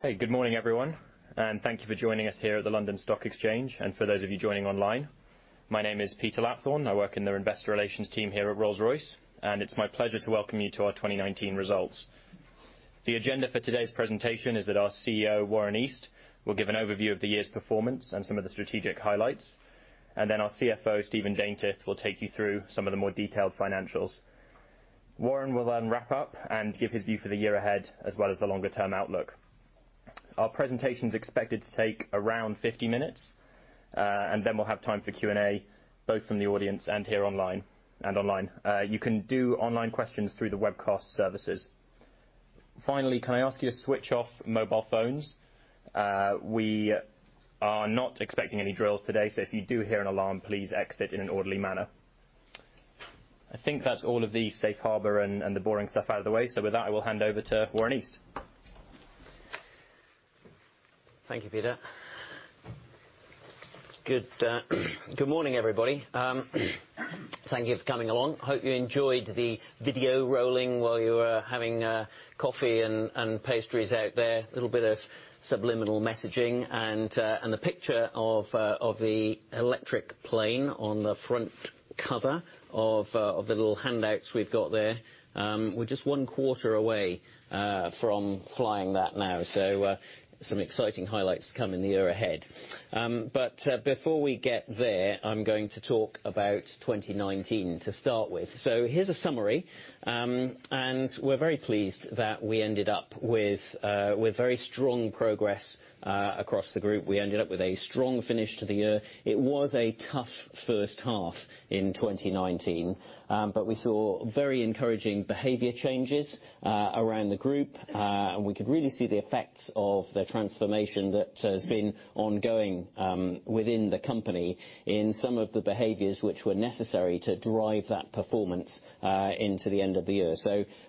Hey, good morning, everyone, and thank you for joining us here at the London Stock Exchange, and for those of you joining online. My name is Peter Lapthorn. I work in the investor relations team here at Rolls-Royce, and it's my pleasure to welcome you to our 2019 results. The agenda for today's presentation is that our CEO, Warren East, will give an overview of the year's performance and some of the strategic highlights. Our CFO, Stephen Daintith, will take you through some of the more detailed financials. Warren will wrap up and give his view for the year ahead, as well as the longer-term outlook. Our presentation is expected to take around 50 minutes, and then we'll have time for Q&A, both from the audience and online. You can do online questions through the webcast services. Finally, can I ask you to switch off mobile phones? We are not expecting any drills today, so if you do hear an alarm, please exit in an orderly manner. I think that's all of the safe harbor and the boring stuff out of the way. With that, I will hand over to Warren East. Thank you, Peter. Good morning, everybody. Thank you for coming along. Hope you enjoyed the video rolling while you were having coffee and pastries out there. A little bit of subliminal messaging and the picture of the electric plane on the front cover of the little handouts we've got there. We're just one quarter away from flying that now. Some exciting highlights to come in the year ahead. Before we get there, I'm going to talk about 2019 to start with. Here's a summary. We're very pleased that we ended up with very strong progress across the group. We ended up with a strong finish to the year. It was a tough first half in 2019. We saw very encouraging behavior changes around the group. We could really see the effects of the transformation that has been ongoing within the company in some of the behaviors which were necessary to drive that performance into the end of the year.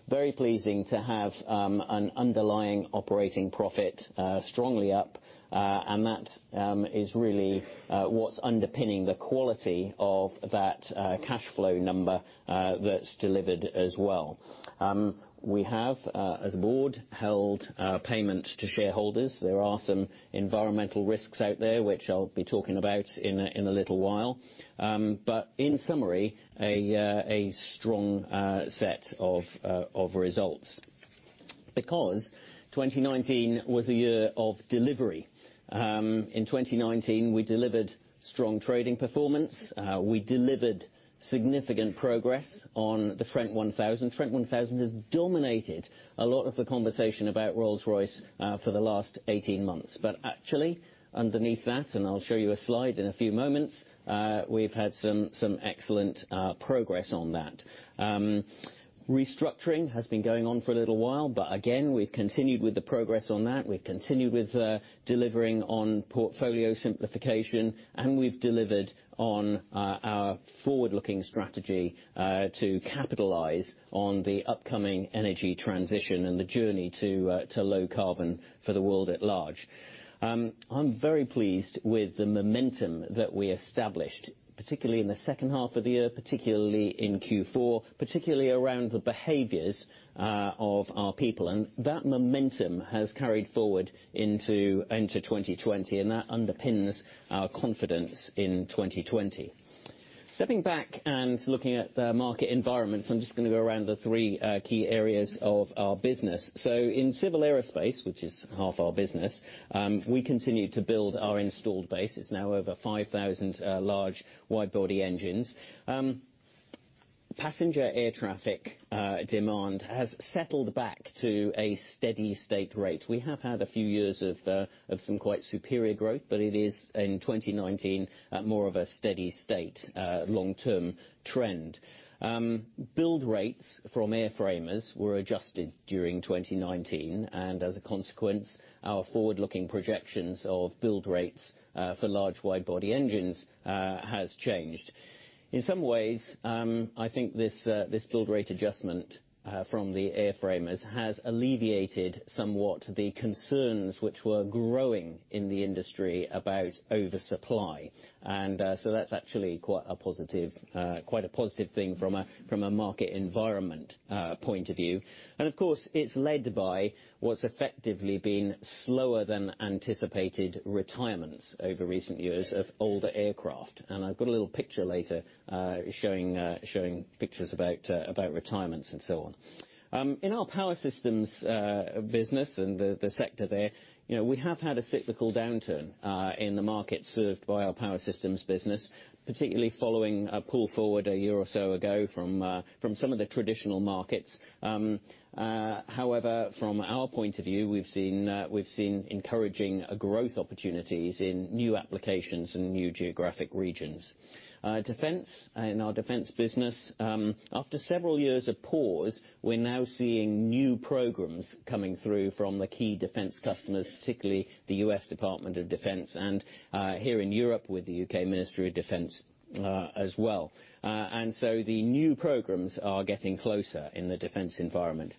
Very pleasing to have an underlying operating profit strongly up, and that is really what's underpinning the quality of that cash flow number that's delivered as well. We have, as a board, held payment to shareholders. There are some environmental risks out there, which I'll be talking about in a little while. In summary, a strong set of results. 2019 was a year of delivery. In 2019, we delivered strong trading performance. We delivered significant progress on the Trent 1000. Trent 1000 has dominated a lot of the conversation about Rolls-Royce for the last 18 months. Actually, underneath that, and I'll show you a slide in a few moments, we've had some excellent progress on that. Restructuring has been going on for a little while, but again, we've continued with the progress on that. We've continued with delivering on portfolio simplification, and we've delivered on our forward-looking strategy to capitalize on the upcoming energy transition and the journey to low carbon for the world at large. I'm very pleased with the momentum that we established, particularly in the second half of the year, particularly in Q4, particularly around the behaviors of our people. That momentum has carried forward into 2020, and that underpins our confidence in 2020. Stepping back and looking at the market environment, I'm just going to go around the three key areas of our business. In Civil Aerospace, which is half our business, we continue to build our installed base. It's now over 5,000 large wide-body engines. Passenger air traffic demand has settled back to a steady state rate. We have had a few years of some quite superior growth, but it is in 2019, more of a steady state long-term trend. Build rates from airframers were adjusted during 2019. As a consequence, our forward-looking projections of build rates for large wide-body engines has changed. In some ways, I think this build rate adjustment from the airframers has alleviated somewhat the concerns which were growing in the industry about oversupply. That's actually quite a positive thing from a market environment point of view. Of course, it's led by what's effectively been slower than anticipated retirements over recent years of older aircraft. I've got a little picture later showing pictures about retirements and so on. In our Power Systems business and the sector there, we have had a cyclical downturn in the market served by our Power Systems business, particularly following a pull forward a year or so ago from some of the traditional markets. However, from our point of view, we've seen encouraging growth opportunities in new applications and new geographic regions. Defense, in our Defense business, after several years of pause, we're now seeing new programs coming through from the key Defense customers, particularly the U.S. Department of Defense and here in Europe with the U.K. Ministry of Defence as well. The new programs are getting closer in the Defense environment.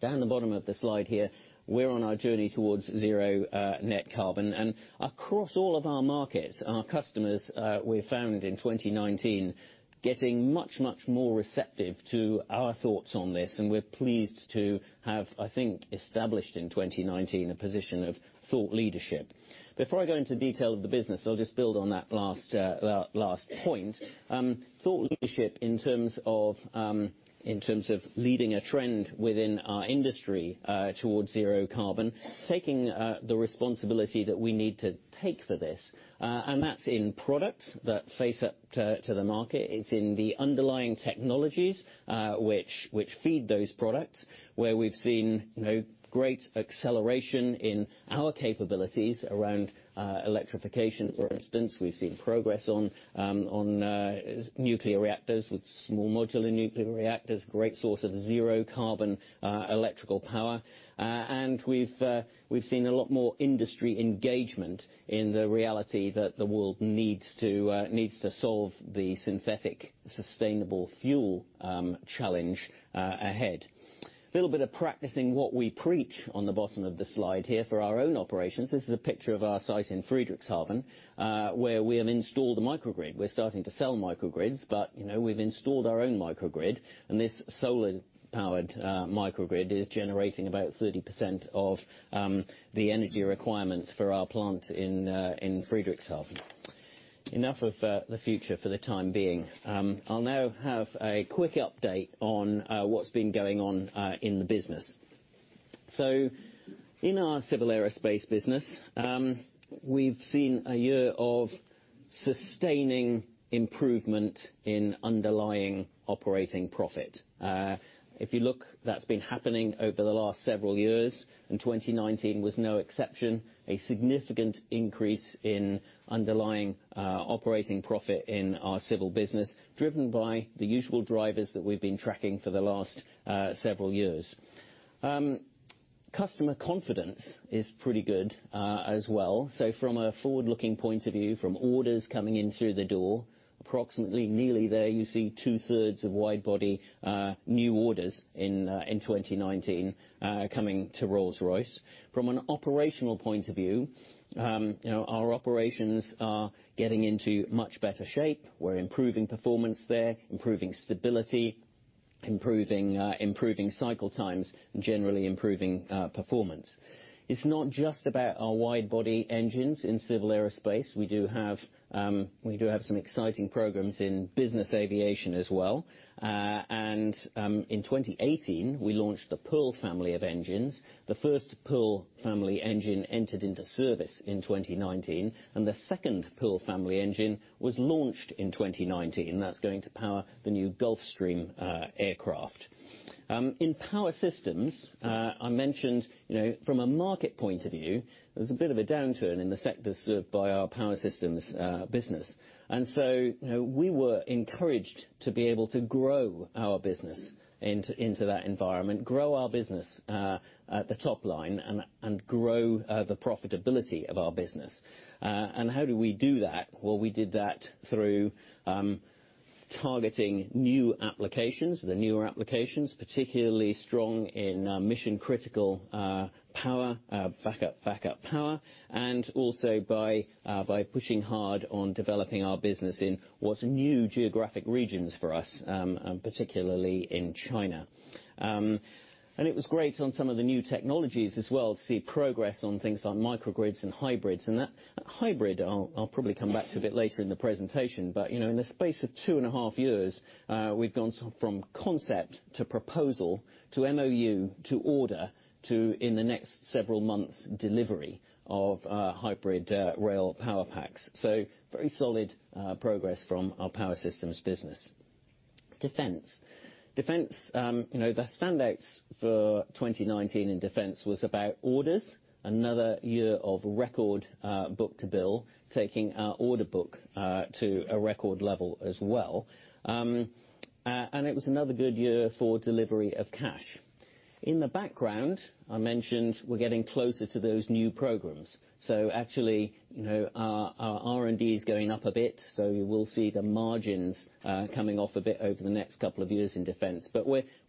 Down at the bottom of the slide here, we're on our journey towards zero net carbon. Across all of our markets, our customers, we found in 2019, getting much, much more receptive to our thoughts on this, and we're pleased to have, I think, established in 2019 a position of thought leadership. Before I go into detail of the business, I'll just build on that last point. Thought leadership in terms of leading a trend within our industry towards zero-carbon, taking the responsibility that we need to take for this. That's in products that face up to the market. It's in the underlying technologies, which feed those products, where we've seen great acceleration in our capabilities around electrification, for instance. We've seen progress on nuclear reactors with small modular nuclear reactors, great source of zero-carbon electrical power. We've seen a lot more industry engagement in the reality that the world needs to solve the synthetic sustainable fuel challenge ahead. A little bit of practicing what we preach on the bottom of the slide here for our own operations. This is a picture of our site in Friedrichshafen, where we have installed a microgrid. We're starting to sell microgrids. We've installed our own microgrid. This solar-powered microgrid is generating about 30% of the energy requirements for our plant in Friedrichshafen. Enough of the future for the time being. I'll now have a quick update on what's been going on in the business. In our Civil Aerospace business, we've seen a year of sustaining improvement in underlying operating profit. If you look, that's been happening over the last several years. 2019 was no exception. A significant increase in underlying operating profit in our civil business, driven by the usual drivers that we've been tracking for the last several years. Customer confidence is pretty good as well. From a forward-looking point of view, from orders coming in through the door, approximately nearly there, you see 2/3 of wide-body new orders in 2019 coming to Rolls-Royce. From an operational point of view, our operations are getting into much better shape. We're improving performance there, improving stability, improving cycle times, and generally improving performance. It's not just about our wide-body engines in Civil Aerospace. We do have some exciting programs in business aviation as well. In 2018, we launched the Pearl family of engines. The first Pearl family engine entered into service in 2019, and the second Pearl family engine was launched in 2019. That's going to power the new Gulfstream aircraft. In Power Systems, I mentioned from a market point of view, there was a bit of a downturn in the sector served by our Power Systems business. We were encouraged to be able to grow our business into that environment, grow our business at the top line, and grow the profitability of our business. How do we do that? Well, we did that through targeting new applications, the newer applications, particularly strong in mission-critical power, backup power, and also by pushing hard on developing our business in what are new geographic regions for us, particularly in China. It was great on some of the new technologies as well to see progress on things like microgrids and hybrids. Hybrid, I'll probably come back to a bit later in the presentation. In the space of two and a half years, we've gone from concept to proposal to MOU to order to, in the next several months, delivery of hybrid rail power packs. Very solid progress from our Power Systems business. Defense. Defense, the standouts for 2019 in defense was about orders. Another year of record book-to-bill, taking our order book to a record level as well. It was another good year for delivery of cash. In the background, I mentioned we're getting closer to those new programs. Actually, our R&D is going up a bit, so you will see the margins coming off a bit over the next couple of years in defense.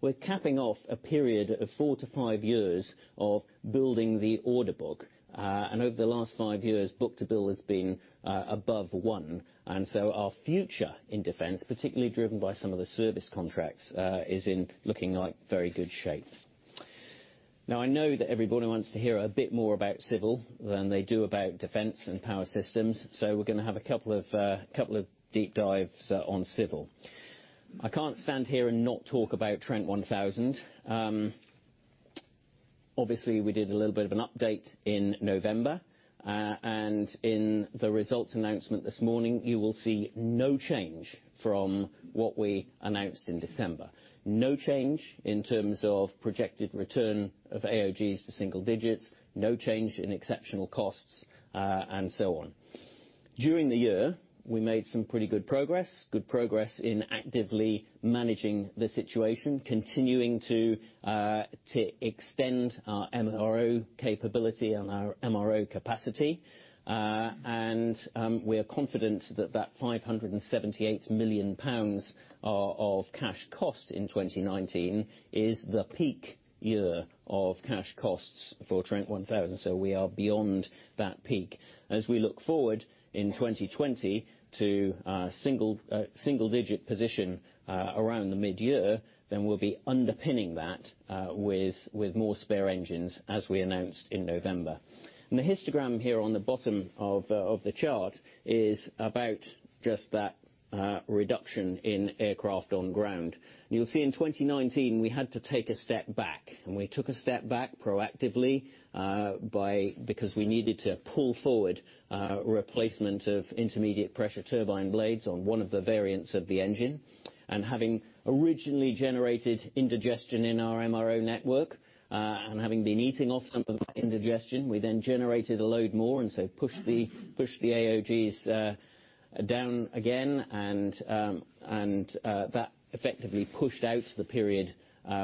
We're capping off a period of four to five years of building the order book. Over the last five years, book-to-bill has been above one, and so our future in defense, particularly driven by some of the service contracts, is looking like very good shape. I know that everybody wants to hear a bit more about Civil than they do about Defence and Power Systems, we're going to have a couple of deep dives on Civil. I can't stand here and not talk about Trent 1000. We did a little bit of an update in November, in the results announcement this morning, you will see no change from what we announced in December. No change in terms of projected return of AOGs to single digits, no change in exceptional costs, and so on. During the year, we made some pretty good progress. Good progress in actively managing the situation, continuing to extend our MRO capability and our MRO capacity. We are confident that that 578 million pounds of cash cost in 2019 is the peak year of cash costs for Trent 1000. We are beyond that peak. As we look forward in 2020 to a single-digit position around the mid-year, then we'll be underpinning that with more spare engines, as we announced in November. The histogram here on the bottom of the chart is about just that reduction in Aircraft on Ground. You'll see in 2019, we had to take a step back, and we took a step back proactively because we needed to pull forward replacement of Intermediate Pressure Turbine blades on one of the variants of the engine. Having originally generated indigestion in our MRO network, and having been eating off some of that indigestion, we then generated a load more, pushed the AOGs down again. That effectively pushed out the period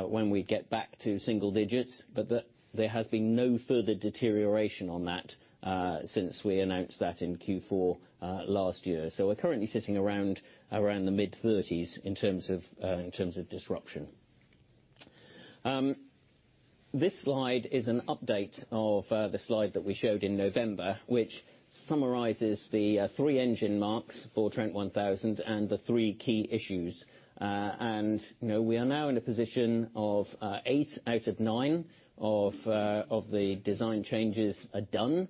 when we get back to single digits. There has been no further deterioration on that since we announced that in Q4 last year. We're currently sitting around the mid-30s in terms of disruption. This slide is an update of the slide that we showed in November, which summarizes the three engine marks for Trent 1000 and the three key issues. We are now in a position of eight out of nine of the design changes are done.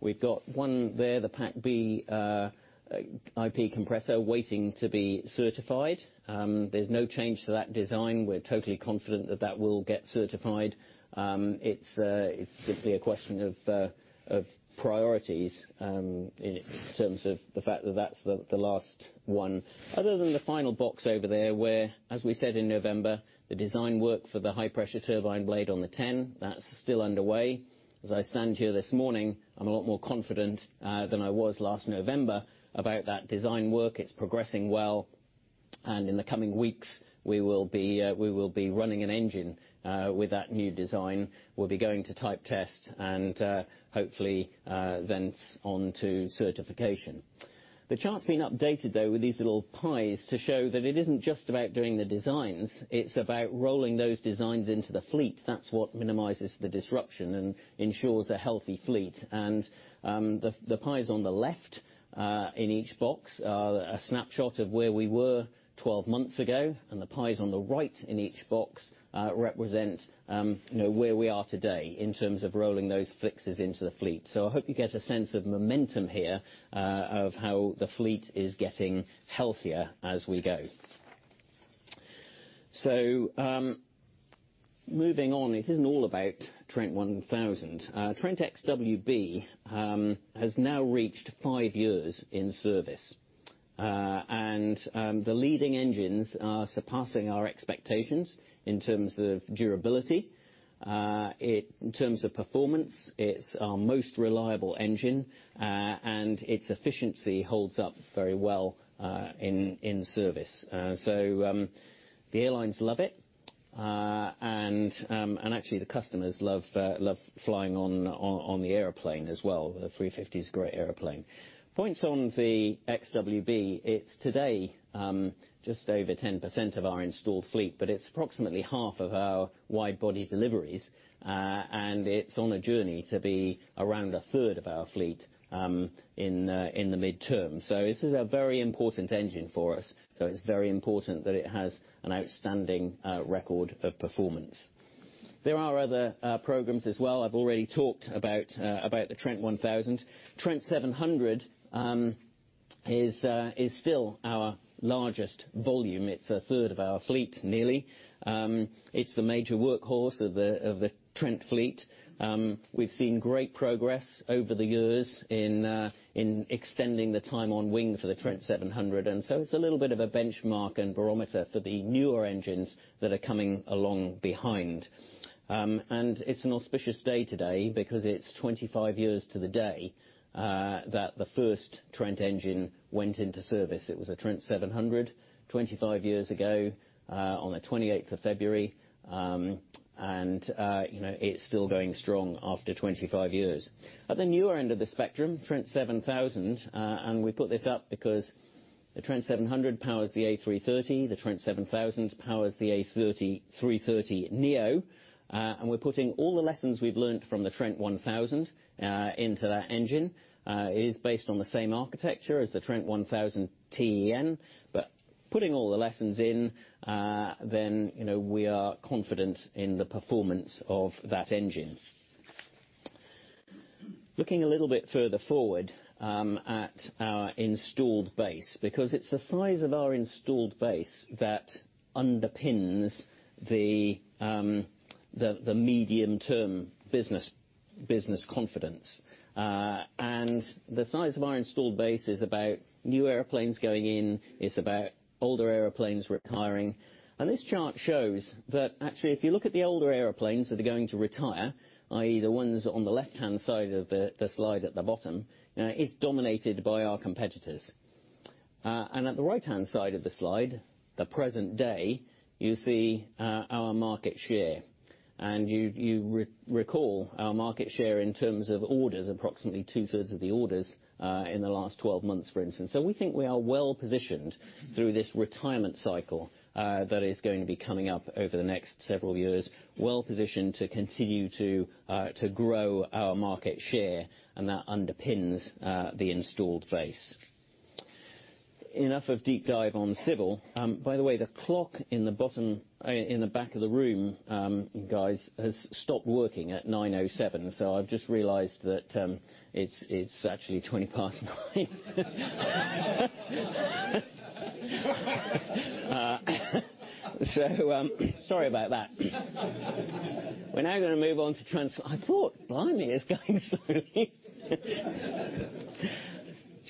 We've got one there, the Pack B IP compressor, waiting to be certified. There's no change to that design. We're totally confident that that will get certified. It's simply a question of priorities in terms of the fact that that's the last one. Other than the final box over there where, as we said in November, the design work for the high-pressure turbine blade on the TEN, that's still underway. As I stand here this morning, I'm a lot more confident than I was last November about that design work. It's progressing well. In the coming weeks, we will be running an engine with that new design. We'll be going to type test and hopefully then it's on to certification. The chart's been updated, though, with these little pies to show that it isn't just about doing the designs. It's about rolling those designs into the fleet. That's what minimizes the disruption and ensures a healthy fleet. The pies on the left in each box are a snapshot of where we were 12 months ago. The pies on the right in each box represent where we are today in terms of rolling those fixes into the fleet. I hope you get a sense of momentum here of how the fleet is getting healthier as we go. Moving on. It isn't all about Trent 1000. Trent XWB has now reached five years in service. The leading engines are surpassing our expectations in terms of durability. In terms of performance, it's our most reliable engine, and its efficiency holds up very well in service. The airlines love it. Actually, the customers love flying on the airplane as well. The A350 is a great airplane. Points on the Trent XWB, it's today just over 10% of our installed fleet, but it's approximately half of our wide-body deliveries. It's on a journey to be around a third of our fleet in the midterm. This is a very important engine for us. It's very important that it has an outstanding record of performance. There are other programs as well. I've already talked about the Trent 1000. Trent 700 is still our largest volume. It's a third of our fleet, nearly. It's the major workhorse of the Trent fleet. We've seen great progress over the years in extending the time on wing for the Trent 700. It's a little bit of a benchmark and barometer for the newer engines that are coming along behind. It's an auspicious day today because it's 25 years to the day that the first Trent engine went into service. It was a Trent 700, 25 years ago on the 28th of February. It's still going strong after 25 years. At the newer end of the spectrum, Trent 7000. We put this up because the Trent 700 powers the A330. The Trent 7000 powers the A330neo. We're putting all the lessons we've learned from the Trent 1000 into that engine. It is based on the same architecture as the Trent 1000-TEN. Putting all the lessons in, we are confident in the performance of that engine. Looking a little bit further forward at our installed base, because it's the size of our installed base that underpins the medium-term business confidence. The size of our installed base is about new airplanes going in. It's about older airplanes retiring. This chart shows that actually if you look at the older airplanes that are going to retire, i.e. the ones on the left-hand side of the slide at the bottom, it's dominated by our competitors. At the right-hand side of the slide, the present day, you see our market share. You recall our market share in terms of orders, approximately two-thirds of the orders in the last 12 months, for instance. We think we are well-positioned through this retirement cycle that is going to be coming up over the next several years, well-positioned to continue to grow our market share, and that underpins the installed base. Enough of deep dive on Civil Aerospace. By the way, the clock in the back of the room, guys, has stopped working at 9:07. I've just realized that it's actually 20 past nine. Sorry about that. We're now going to move on to I thought, blimey, it's going slowly.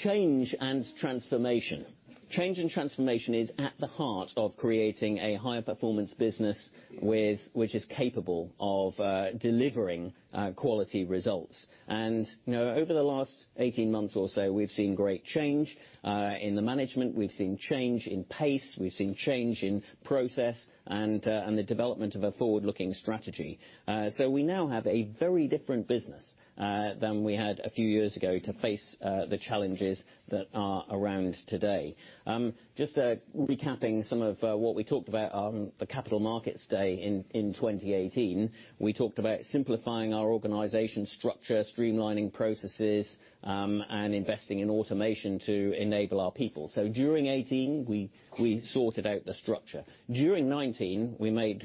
Change and Transformation. Change and Transformation is at the heart of creating a high-performance business which is capable of delivering quality results. Over the last 18 months or so, we've seen great change in the management, we've seen change in pace, we've seen change in process, and the development of a forward-looking strategy. We now have a very different business than we had a few years ago to face the challenges that are around today. Just recapping some of what we talked about on the Capital Markets Day in 2018, we talked about simplifying our organization structure, streamlining processes, and investing in automation to enable our people. During 2018, we sorted out the structure. During 2019, we made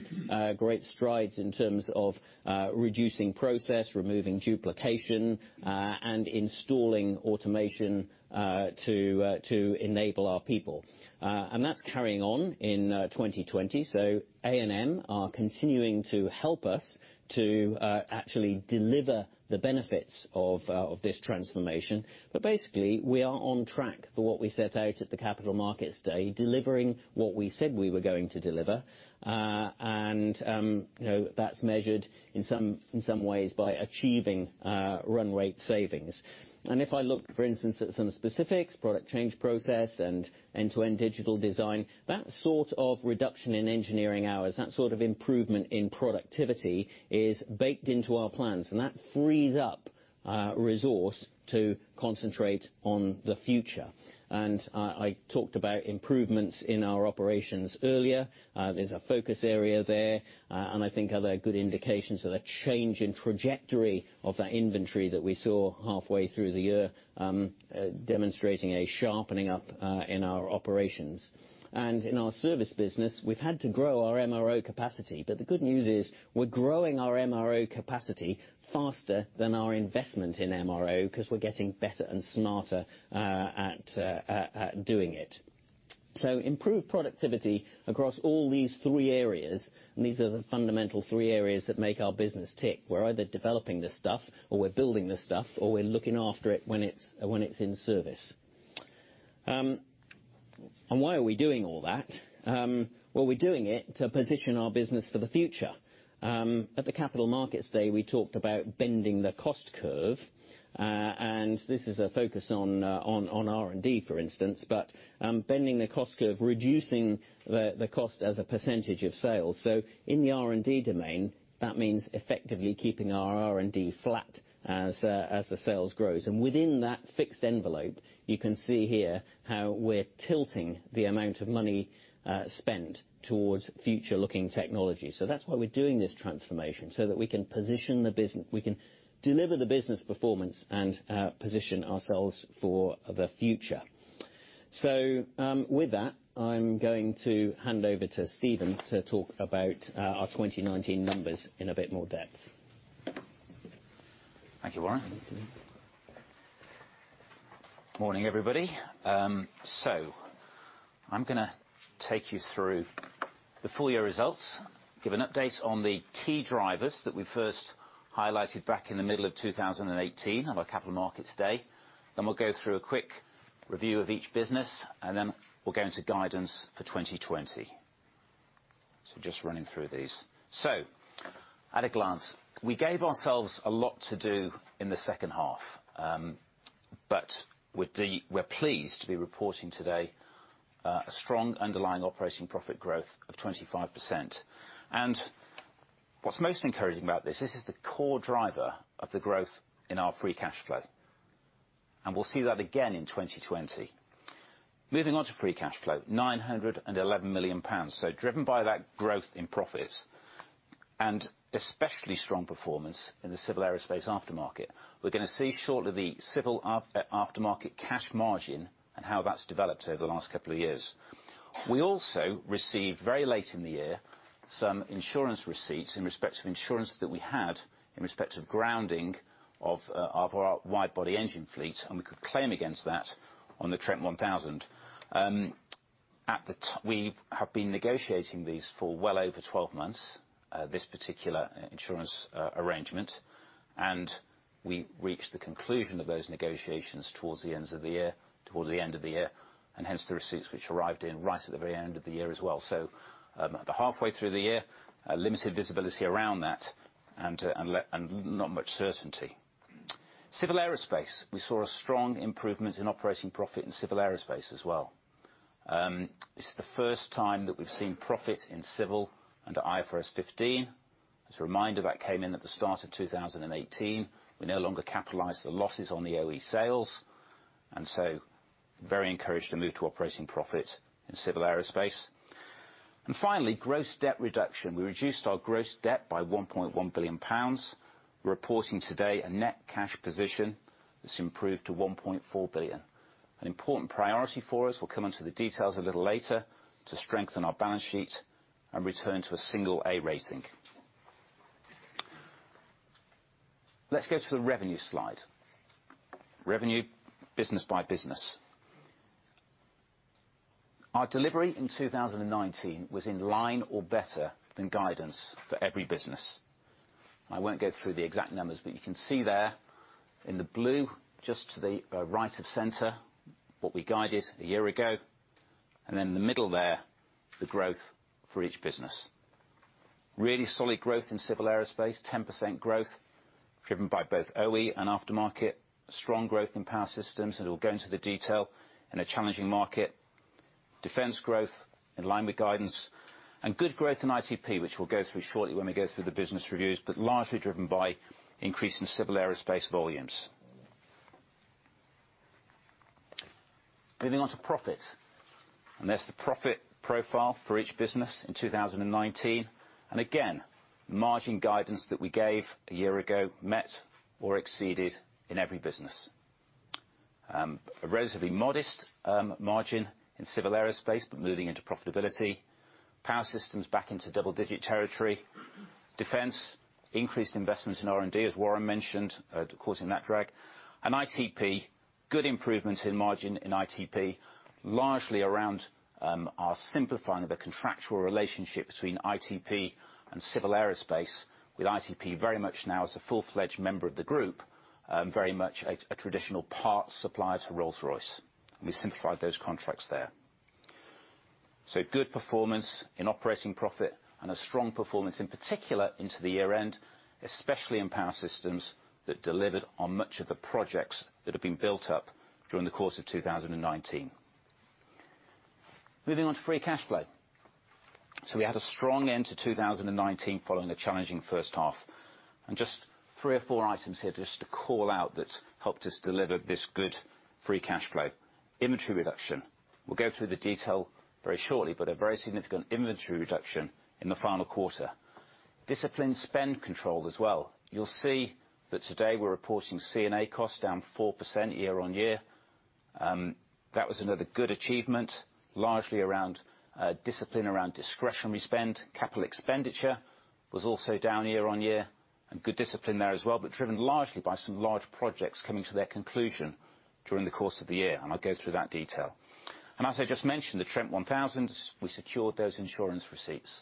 great strides in terms of reducing process, removing duplication, and installing automation to enable our people. That's carrying on in 2020. A&M are continuing to help us to actually deliver the benefits of this transformation. Basically, we are on track for what we set out at the Capital Markets Day, delivering what we said we were going to deliver. That's measured in some ways by achieving run rate savings. If I look, for instance, at some specifics, product change process and end-to-end digital design, that sort of reduction in engineering hours, that sort of improvement in productivity is baked into our plans. That frees up resource to concentrate on the future. I talked about improvements in our operations earlier. There's a focus area there. I think other good indications of the change in trajectory of that inventory that we saw halfway through the year demonstrating a sharpening up in our operations. In our service business, we've had to grow our MRO capacity. The good news is we're growing our MRO capacity faster than our investment in MRO because we're getting better and smarter at doing it. Improved productivity across all these three areas, and these are the fundamental three areas that make our business tick. We're either developing this stuff or we're building this stuff, or we're looking after it when it's in service. Why are we doing all that? Well, we're doing it to position our business for the future. At the Capital Markets Day, we talked about bending the cost curve. This is a focus on R&D, for instance, but bending the cost curve, reducing the cost as a percentage of sales. In the R&D domain, that means effectively keeping our R&D flat as the sales grows. Within that fixed envelope, you can see here how we're tilting the amount of money spent towards future-looking technology. That's why we're doing this transformation, so that we can deliver the business performance and position ourselves for the future. With that, I'm going to hand over to Stephen to talk about our 2019 numbers in a bit more depth. Thank you, Warren. Thank you. Morning, everybody. I'm going to take you through the full-year results, give an update on the key drivers that we first highlighted back in the middle of 2018 at our Capital Markets Day. We'll go through a quick review of each business, and then we'll go into guidance for 2020. Just running through these. At a glance, we gave ourselves a lot to do in the second half. We're pleased to be reporting today a strong underlying operating profit growth of 25%. What's most encouraging about this is the core driver of the growth in our free cash flow. We'll see that again in 2020. Moving on to free cash flow, 911 million pounds. Driven by that growth in profits, and especially strong performance in the Civil Aerospace aftermarket. We're going to see shortly the civil aftermarket cash margin and how that's developed over the last couple of years. We also received, very late in the year, some insurance receipts in respect of insurance that we had in respect of grounding of our wide-body engine fleet. We could claim against that on the Trent 1000. We have been negotiating these for well over 12 months, this particular insurance arrangement. We reached the conclusion of those negotiations towards the end of the year, and hence the receipts, which arrived in right at the very end of the year as well. At the halfway through the year, limited visibility around that and not much certainty. Civil Aerospace. We saw a strong improvement in operating profit in Civil Aerospace as well. This is the first time that we've seen profit in Civil under IFRS 15. As a reminder, that came in at the start of 2018. We no longer capitalize the losses on the OE sales, and so very encouraged to move to operating profit in Civil Aerospace. Finally, gross debt reduction. We reduced our gross debt by 1.1 billion pounds. We're reporting today a net cash position that's improved to 1.4 billion. An important priority for us, we'll come onto the details a little later, to strengthen our balance sheet and return to a single A rating. Let's go to the revenue slide. Revenue business by business. Our delivery in 2019 was in line or better than guidance for every business. I won't go through the exact numbers, but you can see there in the blue, just to the right of center, what we guided a year ago, and then the middle there, the growth for each business. Really solid growth in Civil Aerospace, 10% growth driven by both OE and aftermarket. Strong growth in Power Systems, and we'll go into the detail, in a challenging market. Defense growth in line with guidance. Good growth in ITP, which we'll go through shortly when we go through the business reviews, but largely driven by increase in Civil Aerospace volumes. Moving on to profit, there's the profit profile for each business in 2019. Again, margin guidance that we gave a year ago met or exceeded in every business. A relatively modest margin in Civil Aerospace, but moving into profitability. Power Systems back into double-digit territory. Defense increased investments in R&D, as Warren mentioned, causing that drag. ITP, good improvements in margin in ITP, largely around our simplifying of the contractual relationship between ITP and Civil Aerospace, with ITP very much now as a full-fledged member of the group, very much a traditional parts supplier to Rolls-Royce. We simplified those contracts there. Good performance in operating profit and a strong performance, in particular, into the year-end, especially in Power Systems that delivered on much of the projects that have been built up during the course of 2019. Moving on to free cash flow. We had a strong end to 2019 following a challenging first half. Just three or four items here just to call out that helped us deliver this good free cash flow. Inventory reduction. We'll go through the detail very shortly, a very significant inventory reduction in the final quarter. Disciplined spend control as well. You'll see that today we're reporting C&A costs down 4% year-on-year. That was another good achievement, largely around discipline around discretionary spend. Capital expenditure was also down year-on-year, and good discipline there as well, but driven largely by some large projects coming to their conclusion during the course of the year, and I'll go through that detail. As I just mentioned, the Trent 1000, we secured those insurance receipts.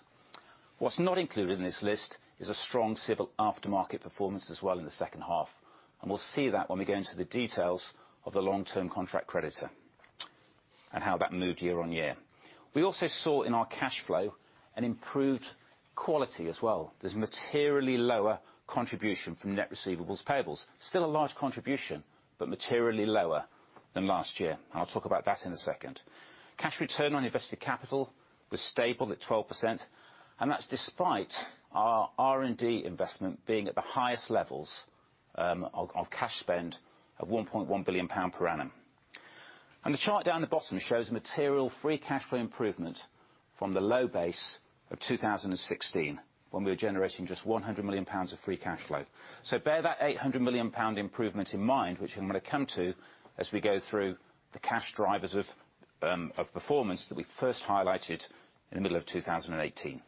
What's not included in this list is a strong civil aftermarket performance as well in the second half, and we'll see that when we go into the details of the long-term contract creditor and how that moved year-on-year. We also saw in our cash flow an improved quality as well. There's materially lower contribution from net receivables, payables. Still a large contribution, but materially lower than last year, and I'll talk about that in a second. Cash return on invested capital was stable at 12%, that's despite our R&D investment being at the highest levels of cash spend of 1.1 billion pound per annum. The chart down the bottom shows material free cash flow improvement from the low base of 2016, when we were generating just 100 million pounds of free cash flow. Bear that 800 million pound improvement in mind, which I'm going to come to as we go through the cash drivers of performance that we first highlighted in the middle of 2018.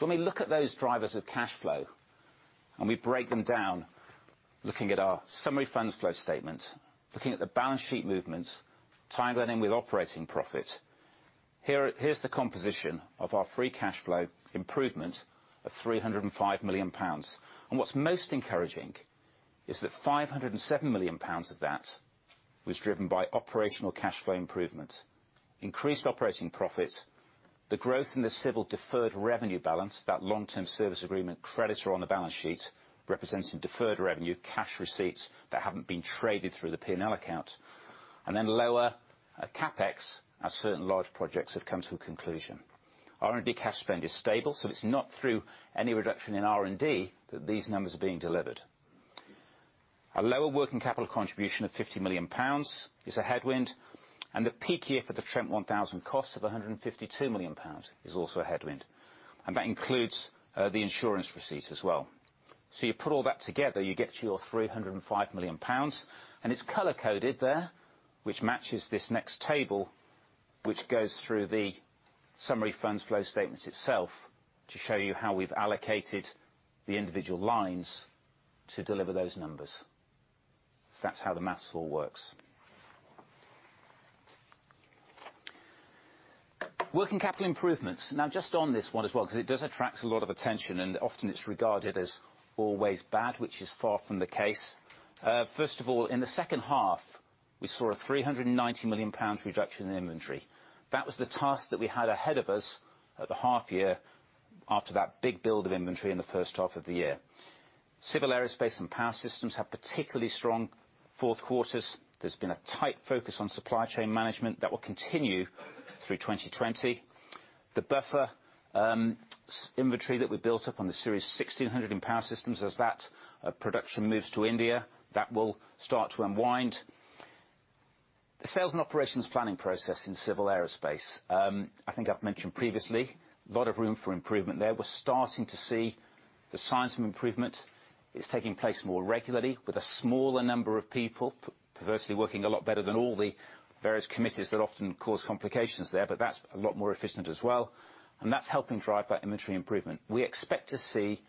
When we look at those drivers of cash flow and we break them down, looking at our summary funds flow statement, looking at the balance sheet movements, tying that in with operating profit, here's the composition of our free cash flow improvement of 305 million pounds. What's most encouraging is that 507 million pounds of that was driven by operational cash flow improvement, increased operating profit, the growth in the civil deferred revenue balance, that Long-Term Service Agreement credits are on the balance sheet representing deferred revenue, cash receipts that haven't been traded through the P&L account, and then lower CapEx as certain large projects have come to a conclusion. R&D cash spend is stable, so it's not through any reduction in R&D that these numbers are being delivered. A lower working capital contribution of 50 million pounds is a headwind, the peak year for the Trent 1000 cost of 152 million pounds is also a headwind. That includes the insurance receipts as well. You put all that together, you get to your 305 million pounds, and it's color-coded there, which matches this next table, which goes through the summary funds flow statement itself to show you how we've allocated the individual lines to deliver those numbers. That's how the math all works. Working capital improvements. Now, just on this one as well, because it does attract a lot of attention, and often it's regarded as always bad, which is far from the case. First of all, in the second half, we saw a 390 million pounds reduction in inventory. That was the task that we had ahead of us at the half year after that big build of inventory in the first half of the year. Civil Aerospace and Power Systems had particularly strong fourth quarters. There's been a tight focus on supply chain management that will continue through 2020. The buffer inventory that we built up on the Series 1600 in Power Systems, as that production moves to India, that will start to unwind. The sales and operations planning process in Civil Aerospace, I think I've mentioned previously, lot of room for improvement there. We're starting to see the signs of improvement. It's taking place more regularly with a smaller number of people, perversely working a lot better than all the various committees that often cause complications there. That's a lot more efficient as well. That's helping drive that inventory improvement. We expect to see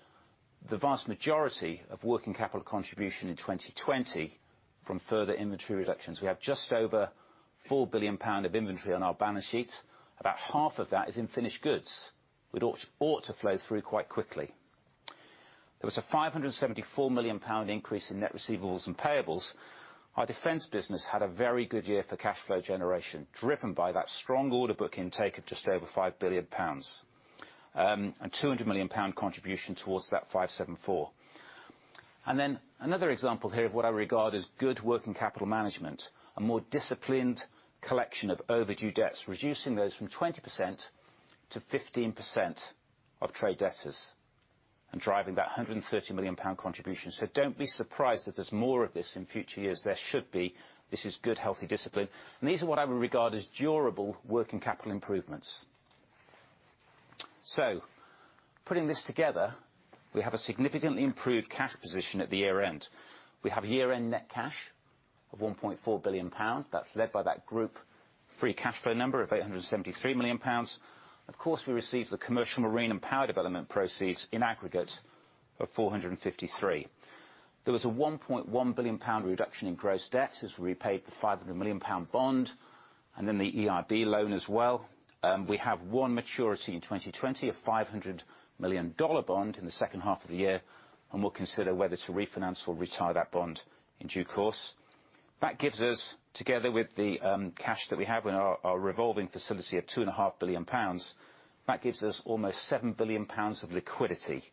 the vast majority of working capital contribution in 2020 from further inventory reductions. We have just over 4 billion pound of inventory on our balance sheet. About half of that is in finished goods. It ought to flow through quite quickly. There was a 574 million pound increase in net receivables and payables. Our Defence business had a very good year for cash flow generation, driven by that strong order book intake of just over 5 billion pounds, and 200 million pound contribution towards that 574 million. Another example here of what I regard as good working capital management, a more disciplined collection of overdue debts, reducing those from 20% to 15% of trade debtors, and driving that 130 million pound contribution. Don't be surprised if there's more of this in future years. There should be. This is good, healthy discipline, and these are what I would regard as durable working capital improvements. Putting this together, we have a significantly improved cash position at the year-end. We have year-end net cash of 1.4 billion pounds. That's led by that group free cash flow number of 873 million pounds. Of course, we received the Commercial Marine and Power Development proceeds in aggregate of 453. There was a 1.1 billion pound reduction in gross debt as we repaid the 500 million pound bond, and then the EIB loan as well. We have one maturity in 2020, a $500 million bond in the second half of the year, and we'll consider whether to refinance or retire that bond in due course. That gives us, together with the cash that we have in our revolving facility of 2.5 billion pounds, that gives us almost 7 billion pounds of liquidity.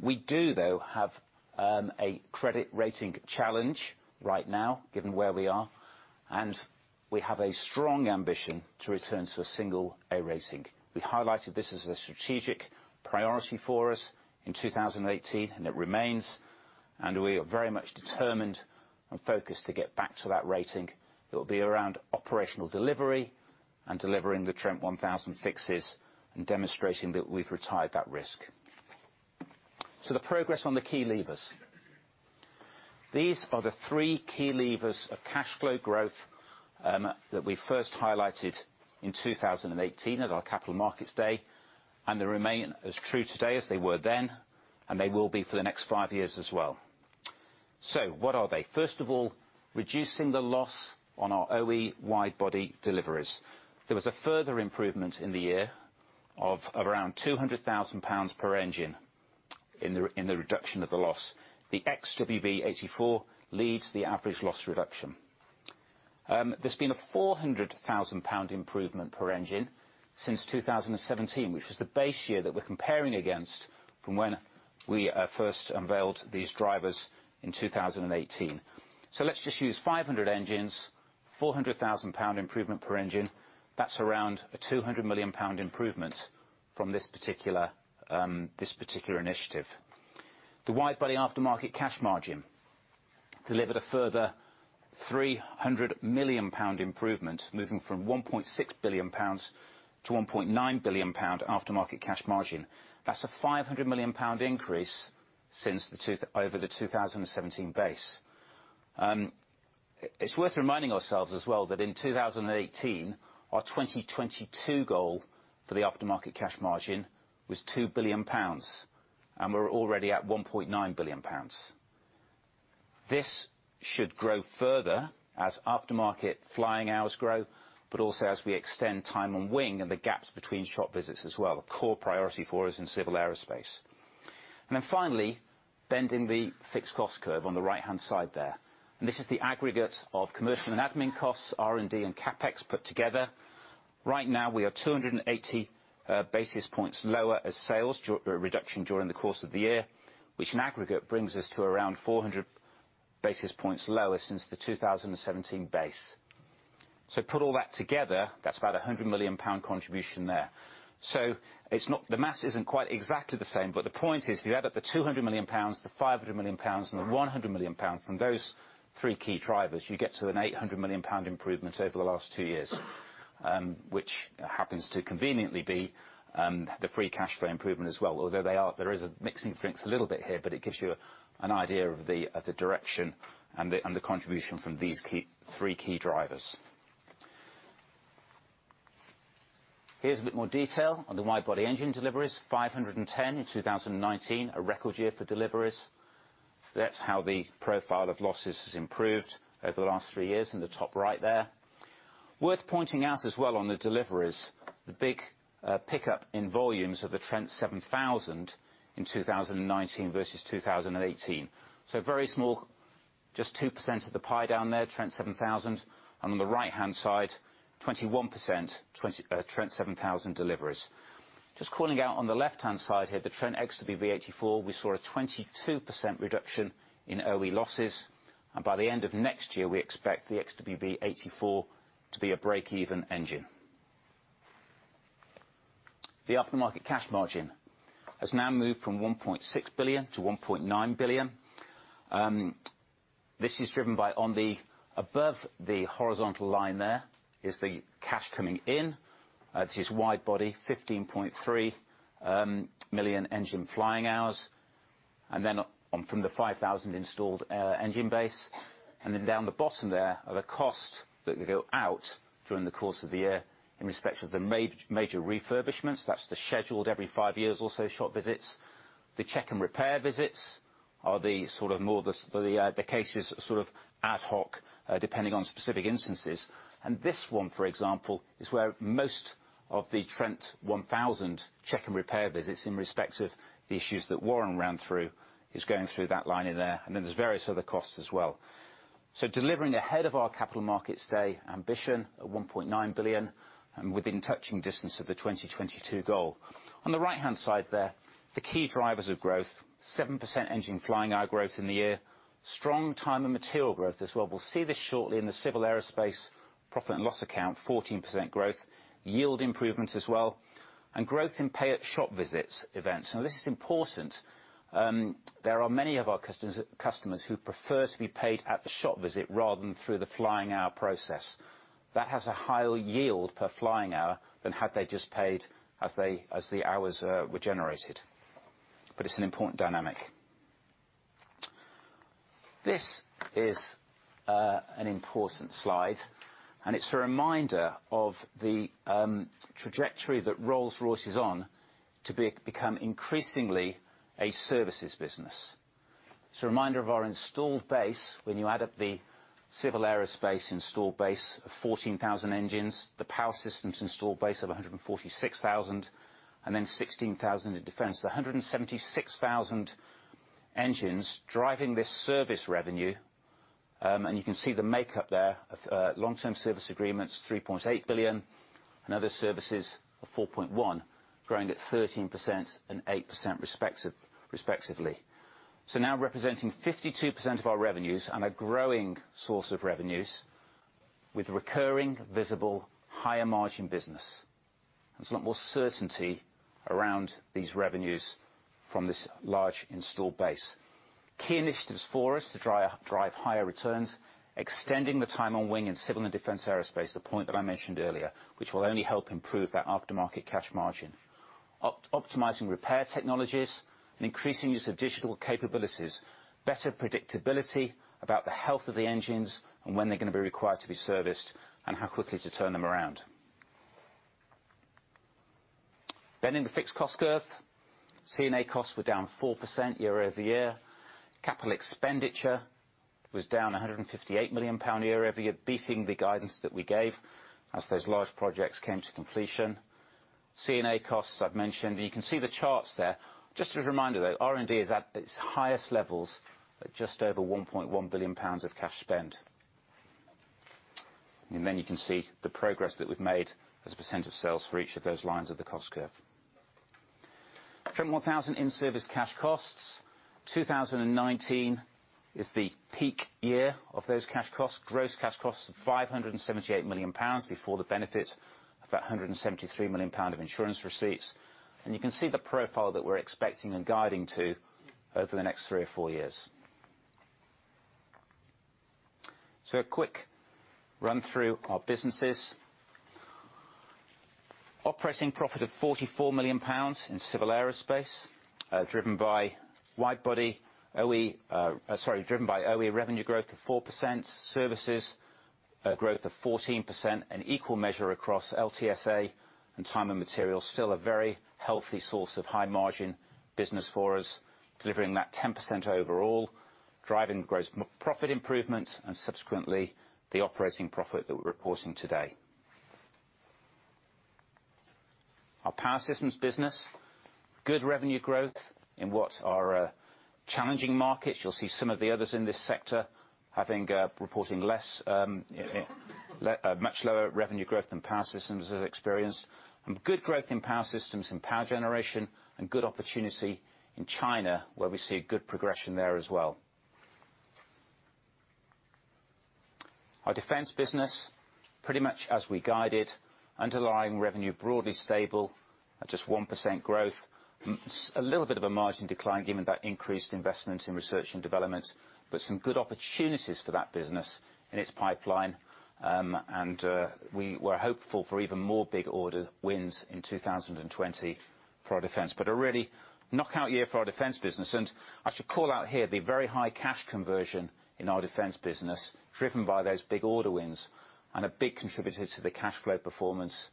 We do, though, have a credit rating challenge right now, given where we are, and we have a strong ambition to return to a single A rating. We highlighted this as a strategic priority for us in 2018, and it remains, and we are very much determined and focused to get back to that rating. The progress on the key levers. These are the three key levers of cash flow growth that we first highlighted in 2018 at our Capital Markets Day, and they remain as true today as they were then, and they will be for the next five years as well. What are they? First of all, reducing the loss on our OE wide body deliveries. There was a further improvement in the year of around 200,000 pounds per engine in the reduction of the loss. The Trent XWB-84 leads the average loss reduction. There has been a 400,000 pound improvement per engine since 2017, which was the base year that we are comparing against from when we first unveiled these drivers in 2018. Let's just use 500 engines, 400,000 pound improvement per engine. That's around a 200 million pound improvement from this particular initiative. The wide body aftermarket cash margin delivered a further 300 million pound improvement, moving from 1.6 billion pounds to 1.9 billion pound aftermarket cash margin. That's a 500 million pound increase over the 2017 base. It's worth reminding ourselves as well that in 2018, our 2022 goal for the aftermarket cash margin was 2 billion pounds, and we are already at 1.9 billion pounds. This should grow further as aftermarket flying hours grow, but also as we extend time on wing and the gaps between shop visits as well, a core priority for us in Civil Aerospace. Then finally, bending the fixed cost curve on the right-hand side there. This is the aggregate of commercial and admin costs, R&D, and CapEx put together. Right now, we are 280 basis points lower as sales reduction during the course of the year, which in aggregate brings us to around 400 basis points lower since the 2017 base. Put all that together, that's about 100 million pound contribution there. The math isn't quite exactly the same, but the point is, if you add up the 200 million pounds, the 500 million pounds, and the 100 million pounds from those three key drivers, you get to an 800 million pound improvement over the last two years, which happens to conveniently be the free cash flow improvement as well. Although there is a mixing things a little bit here, but it gives you an idea of the direction and the contribution from these three key drivers. Here's a bit more detail on the wide-body engine deliveries, 510 in 2019, a record year for deliveries. That's how the profile of losses has improved over the last three years in the top right there. Worth pointing out as well on the deliveries, the big pickup in volumes of the Trent 7000 in 2019 versus 2018. Very small, just 2% of the pie down there, Trent 7000. On the right-hand side, 21% Trent 7000 deliveries. Just calling out on the left-hand side here, the Trent XWB-84, we saw a 22% reduction in OE losses. By the end of next year, we expect the XWB-84 to be a break-even engine. The aftermarket cash margin has now moved from 1.6 billion to 1.9 billion. This is driven by on the above the horizontal line there, is the cash coming in. It is wide body 15.3 million engine flying hours. From the 5,000 installed engine base. Down the bottom there are the cost that go out during the course of the year in respect of the major refurbishments. That's the scheduled every five years, also shop visits. The check and repair visits are the sort of more the cases ad hoc, depending on specific instances. This one, for example, is where most of the Trent 1000 check and repair visits in respect of the issues that Warren ran through is going through that line in there. There's various other costs as well. Delivering ahead of our Capital Markets Day ambition at 1.9 billion and within touching distance of the 2022 goal. On the right-hand side there, the key drivers of growth, 7% engine flying hour growth in the year. Strong time and material growth as well. We'll see this shortly in the Civil Aerospace profit and loss account, 14% growth. Yield improvements as well, and growth in pay at shop visits events. This is important. There are many of our customers who prefer to be paid at the shop visit rather than through the flying hour process. That has a higher yield per flying hour than had they just paid as the hours were generated. It's an important dynamic. This is an important slide, and it's a reminder of the trajectory that Rolls-Royce is on to become increasingly a services business. It's a reminder of our installed base. When you add up the Civil Aerospace installed base of 14,000 engines, the Power Systems installed base of 146,000, and then 16,000 in Defence. 176,000 engines driving this service revenue. You can see the makeup there of Long-Term Service Agreements, 3.8 billion and other services are 4.1, growing at 13% and 8% respectively. Now representing 52% of our revenues and a growing source of revenues with recurring, visible, higher margin business. There's a lot more certainty around these revenues from this large installed base. Key initiatives for us to drive higher returns, extending the time on wing in Civil and Defense Aerospace, the point that I mentioned earlier, which will only help improve that aftermarket cash margin. Optimizing repair technologies and increasing use of digital capabilities. Better predictability about the health of the engines and when they're going to be required to be serviced and how quickly to turn them around. Bending the fixed cost curve. C&A costs were down 4% year-over-year. Capital expenditure was down 158 million pound year-over-year, beating the guidance that we gave as those large projects came to completion. C&A costs, I've mentioned. You can see the charts there. Just as a reminder, though, R&D is at its highest levels at just over 1.1 billion pounds of cash spend. You can see the progress that we've made as a % of sales for each of those lines of the cost curve. Trent 1000 in-service cash costs. 2019 is the peak year of those cash costs. Gross cash costs of 578 million pounds before the benefit of that 173 million pound of insurance receipts. You can see the profile that we're expecting and guiding to over the next three or four years. A quick run-through our businesses. Operating profit of 44 million pounds in Civil Aerospace, driven by OE revenue growth of 4%, services growth of 14%, and equal measure across LTSA and time and material. Still a very healthy source of high margin business for us, delivering that 10% overall, driving gross profit improvements, and subsequently, the operating profit that we're reporting today. Our Power Systems business, good revenue growth in what are challenging markets. You'll see some of the others in this sector, I think, reporting much lower revenue growth than Power Systems has experienced. Good growth in Power Systems and power generation, and good opportunity in China, where we see a good progression there as well. Our Defense business, pretty much as we guided. Underlying revenue broadly stable at just 1% growth. A little bit of a margin decline given that increased investment in research and development, but some good opportunities for that business in its pipeline. We were hopeful for even more big order wins in 2020 for our Defense, but a really knockout year for our Defense business. I should call out here the very high cash conversion in our Defense business, driven by those big order wins and a big contributor to the cash flow performance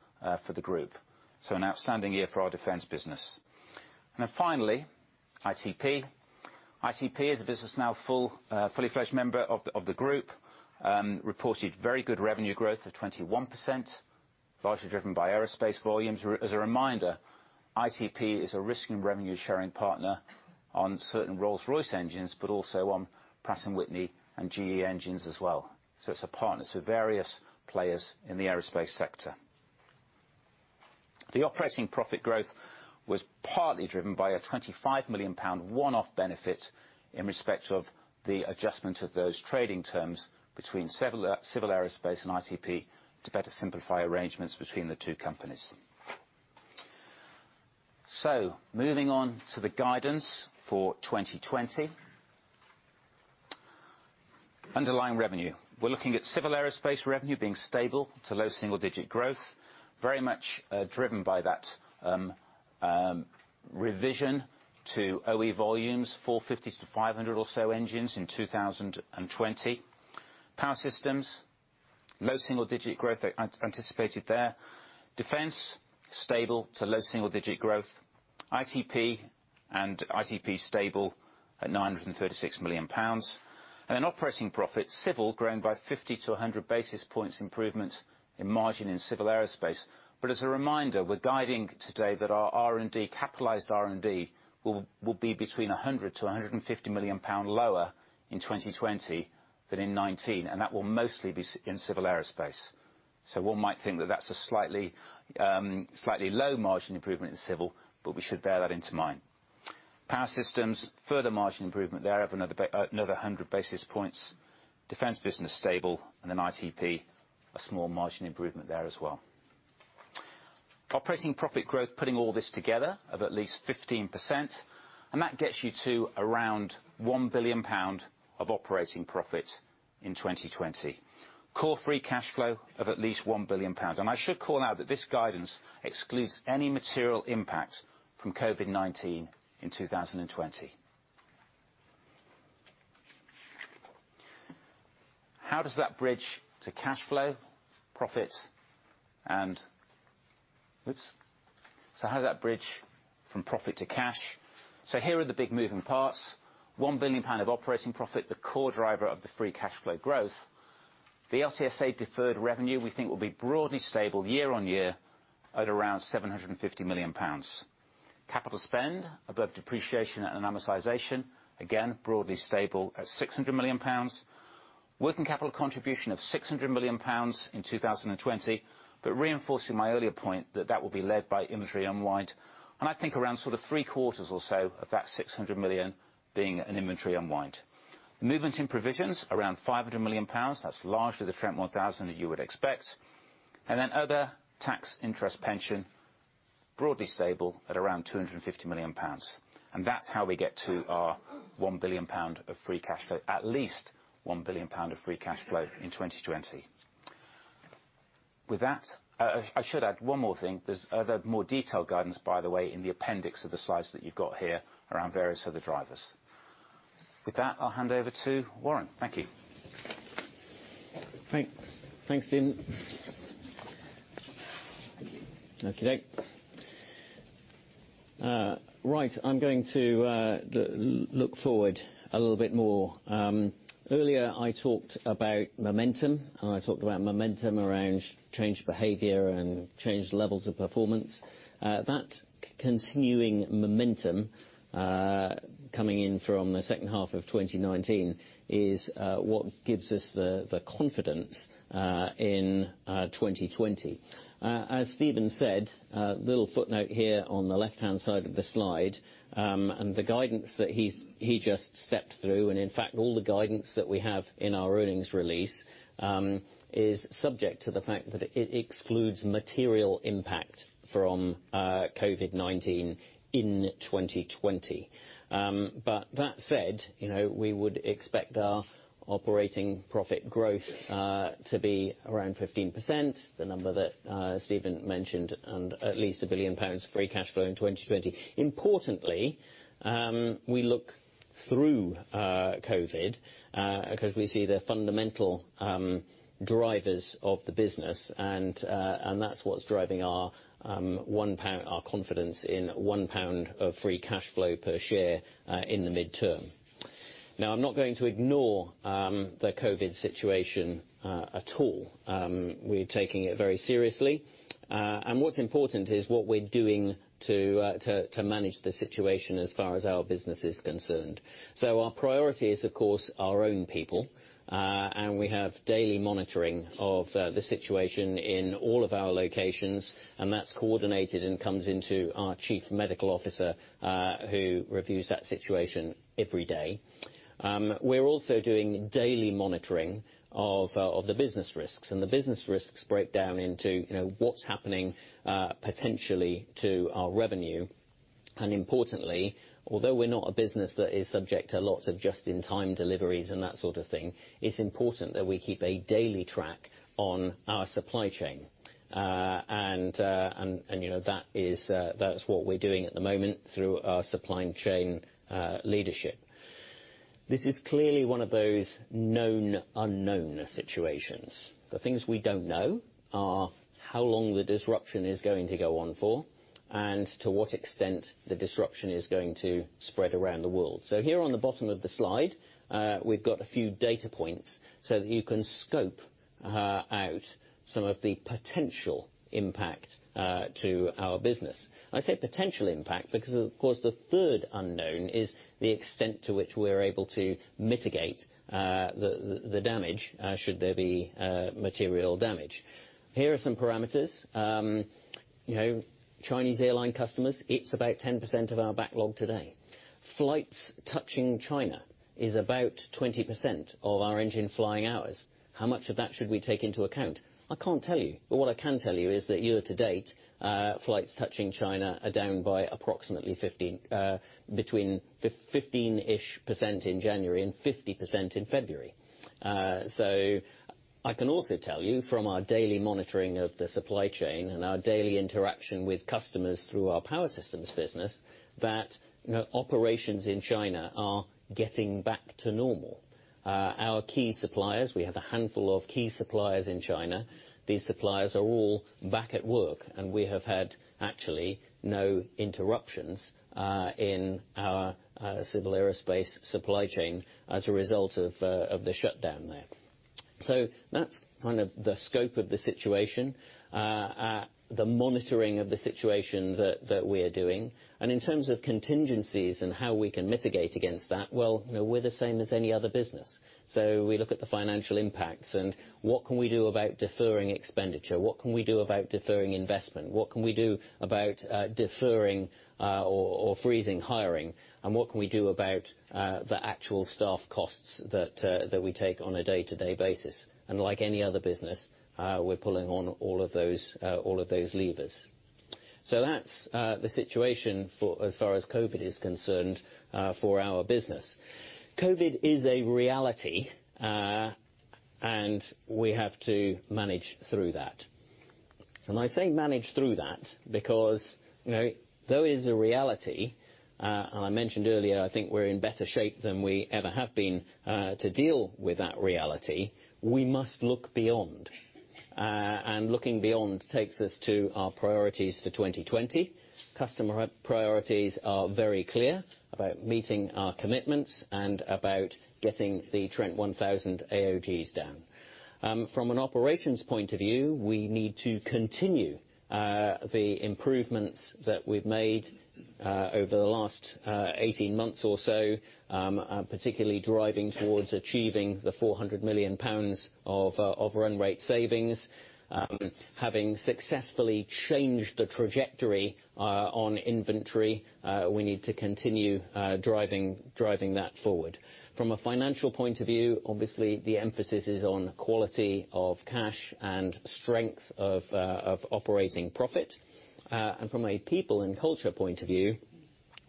for the group. An outstanding year for our Defense business. Finally, ITP is a business now, fully-fledged member of the group. Reported very good revenue growth of 21%, largely driven by aerospace volumes. As a reminder, ITP is a risk and revenue sharing partner on certain Rolls-Royce engines, but also on Pratt & Whitney and GE engines as well. It's a partner to various players in the aerospace sector. The operating profit growth was partly driven by a 25 million pound one-off benefit in respect of the adjustment of those trading terms between Civil Aerospace and ITP to better simplify arrangements between the two companies. Moving on to the guidance for 2020. Underlying revenue. We're looking at Civil Aerospace revenue being stable to low single-digit growth, very much driven by that revision to OE volumes 450-500 or so engines in 2020. Power Systems, low single-digit growth anticipated there. Defense, stable to low single-digit growth. ITP stable at 936 million pounds. Operating profit, Civil Aerospace growing by 50-100 basis points improvement in margin in Civil Aerospace. We're guiding today that our R&D, capitalized R&D, will be between 100 million-150 million pound lower in 2020 than in 2019, and that will mostly be in Civil Aerospace. One might think that that's a slightly low margin improvement in Civil Aerospace, but we should bear that into mind. Further margin improvement there of another 100 basis points. Defense business stable, ITP, a small margin improvement there as well. Operating profit growth, putting all this together, of at least 15%, and that gets you to around 1 billion pound of operating profit in 2020. Core free cash flow of at least 1 billion pounds. I should call out that this guidance excludes any material impact from COVID-19 in 2020. How does that bridge to cash flow, profit and Oops. How does that bridge from profit to cash? Here are the big moving parts. 1 billion pound of operating profit, the core driver of the free cash flow growth. The LTSA deferred revenue we think will be broadly stable year on year at around 750 million pounds. Capital spend above depreciation and amortization, again, broadly stable at 600 million pounds. Working capital contribution of 600 million pounds in 2020, but reinforcing my earlier point that that will be led by inventory unwind. I think around sort of three quarters or so of that 600 million being an inventory unwind. Movements in provisions, around 500 million pounds. That's largely the Trent 1000 that you would expect. Other, tax, interest, pension, broadly stable at around 250 million pounds. That's how we get to our 1 billion pound of free cash flow, at least 1 billion pound of free cash flow in 2020. With that, I should add one more thing. There's other more detailed guidance, by the way, in the appendix of the slides that you've got here around various other drivers. With that, I'll hand over to Warren. Thank you. Thanks, Stephen. Thank you. I'm going to look forward a little bit more. Earlier I talked about momentum, and I talked about momentum around changed behavior and changed levels of performance. That continuing momentum, coming in from the second half of 2019 is what gives us the confidence in 2020. As Stephen said, a little footnote here on the left-hand side of the slide, and the guidance that he just stepped through, and in fact all the guidance that we have in our earnings release, is subject to the fact that it excludes material impact from COVID-19 in 2020. That said, we would expect our operating profit growth to be around 15%, the number that Stephen mentioned, and at least 1 billion pounds free cash flow in 2020. Importantly, we look through COVID, because we see the fundamental drivers of the business and that's what's driving our confidence in 1 pound of free cash flow per share in the midterm. I'm not going to ignore the COVID situation at all. We're taking it very seriously. What's important is what we're doing to manage the situation as far as our business is concerned. Our priority is, of course, our own people. We have daily monitoring of the situation in all of our locations, and that's coordinated and comes into our chief medical officer, who reviews that situation every day. We're also doing daily monitoring of the business risks. The business risks break down into what's happening potentially to our revenue. Importantly, although we're not a business that is subject to lots of just-in-time deliveries and that sort of thing, it's important that we keep a daily track on our supply chain. That is what we're doing at the moment through our supply chain leadership. This is clearly one of those known unknown situations. The things we don't know are how long the disruption is going to go on for, and to what extent the disruption is going to spread around the world. Here on the bottom of the slide, we've got a few data points so that you can scope out some of the potential impact to our business. I say potential impact because, of course, the third unknown is the extent to which we're able to mitigate the damage, should there be material damage. Here are some parameters. Chinese airline customers, it's about 10% of our backlog today. Flights touching China is about 20% of our engine flying hours. How much of that should we take into account? I can't tell you. What I can tell you is that year to date, flights touching China are down by approximately between 15-ish% in January and 50% in February. I can also tell you from our daily monitoring of the supply chain and our daily interaction with customers through our Power Systems business, that operations in China are getting back to normal. Our key suppliers, we have a handful of key suppliers in China. These suppliers are all back at work, and we have had actually no interruptions in our Civil Aerospace supply chain as a result of the shutdown there. That's kind of the scope of the situation, the monitoring of the situation that we're doing. In terms of contingencies and how we can mitigate against that, well, we're the same as any other business. We look at the financial impacts and what can we do about deferring expenditure? What can we do about deferring investment? What can we do about deferring or freezing hiring? What can we do about the actual staff costs that we take on a day-to-day basis? Like any other business, we're pulling on all of those levers. That's the situation as far as COVID is concerned, for our business. COVID is a reality, and we have to manage through that. I say manage through that because though it is a reality, and I mentioned earlier, I think we're in better shape than we ever have been to deal with that reality, we must look beyond. Looking beyond takes us to our priorities for 2020. Customer priorities are very clear about meeting our commitments and about getting the Trent 1000 AOGs down. From an operations point of view, we need to continue the improvements that we've made over the last 18 months or so, particularly driving towards achieving the 400 million pounds of run rate savings. Having successfully changed the trajectory on inventory, we need to continue driving that forward. From a financial point of view, obviously, the emphasis is on quality of cash and strength of operating profit. From a people and culture point of view,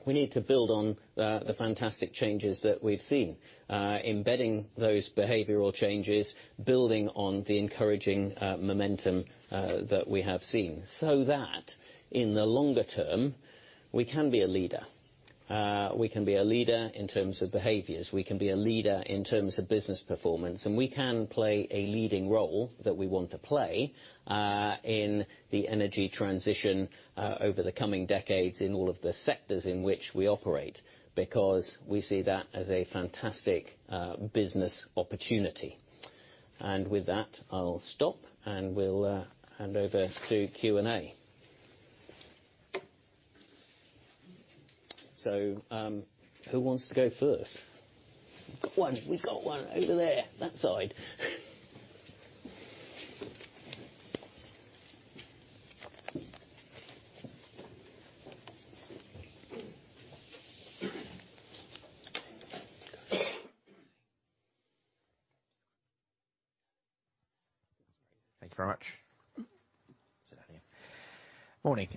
we need to build on the fantastic changes that we've seen. Embedding those behavioral changes, building on the encouraging momentum that we have seen so that in the longer term, we can be a leader. We can be a leader in terms of behaviors. We can be a leader in terms of business performance. We can play a leading role that we want to play in the energy transition over the coming decades in all of the sectors in which we operate, because we see that as a fantastic business opportunity. With that, I'll stop, and we'll hand over to Q&A. Who wants to go first? We've got one. We got one over there, that side. Thank you very much. Sit down here. Morning.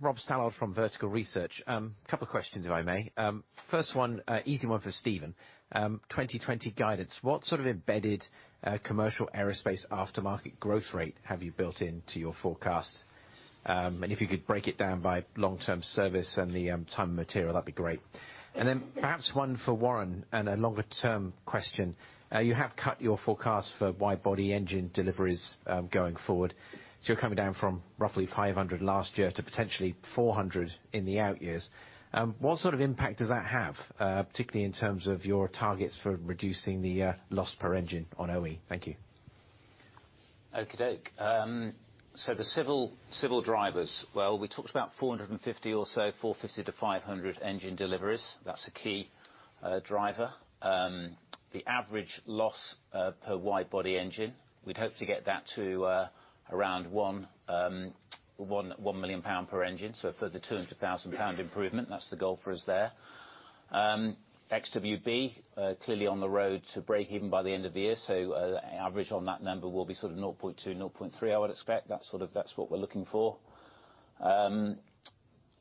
Rob Stallard from Vertical Research. Couple of questions, if I may. First one, easy one for Stephen. 2020 guidance. What sort of embedded commercial aerospace aftermarket growth rate have you built into your forecast? If you could break it down by long-term service and the time material, that'd be great. Perhaps one for Warren, and a longer-term question. You have cut your forecast for wide-body engine deliveries, going forward. You're coming down from roughly 500 last year to potentially 400 in the out years. What sort of impact does that have, particularly in terms of your targets for reducing the loss per engine on OE? Thank you. Okey-doke. The civil drivers, well, we talked about 450 or so, 450-500 engine deliveries. That's a key driver. The average loss per wide-body engine, we'd hope to get that to around 1 million pound per engine. A further 200,000 pound improvement. That's the goal for us there. XWB, clearly on the road to break-even by the end of the year. The average on that number will be sort of 0.2-0.3, I would expect. That's what we're looking for.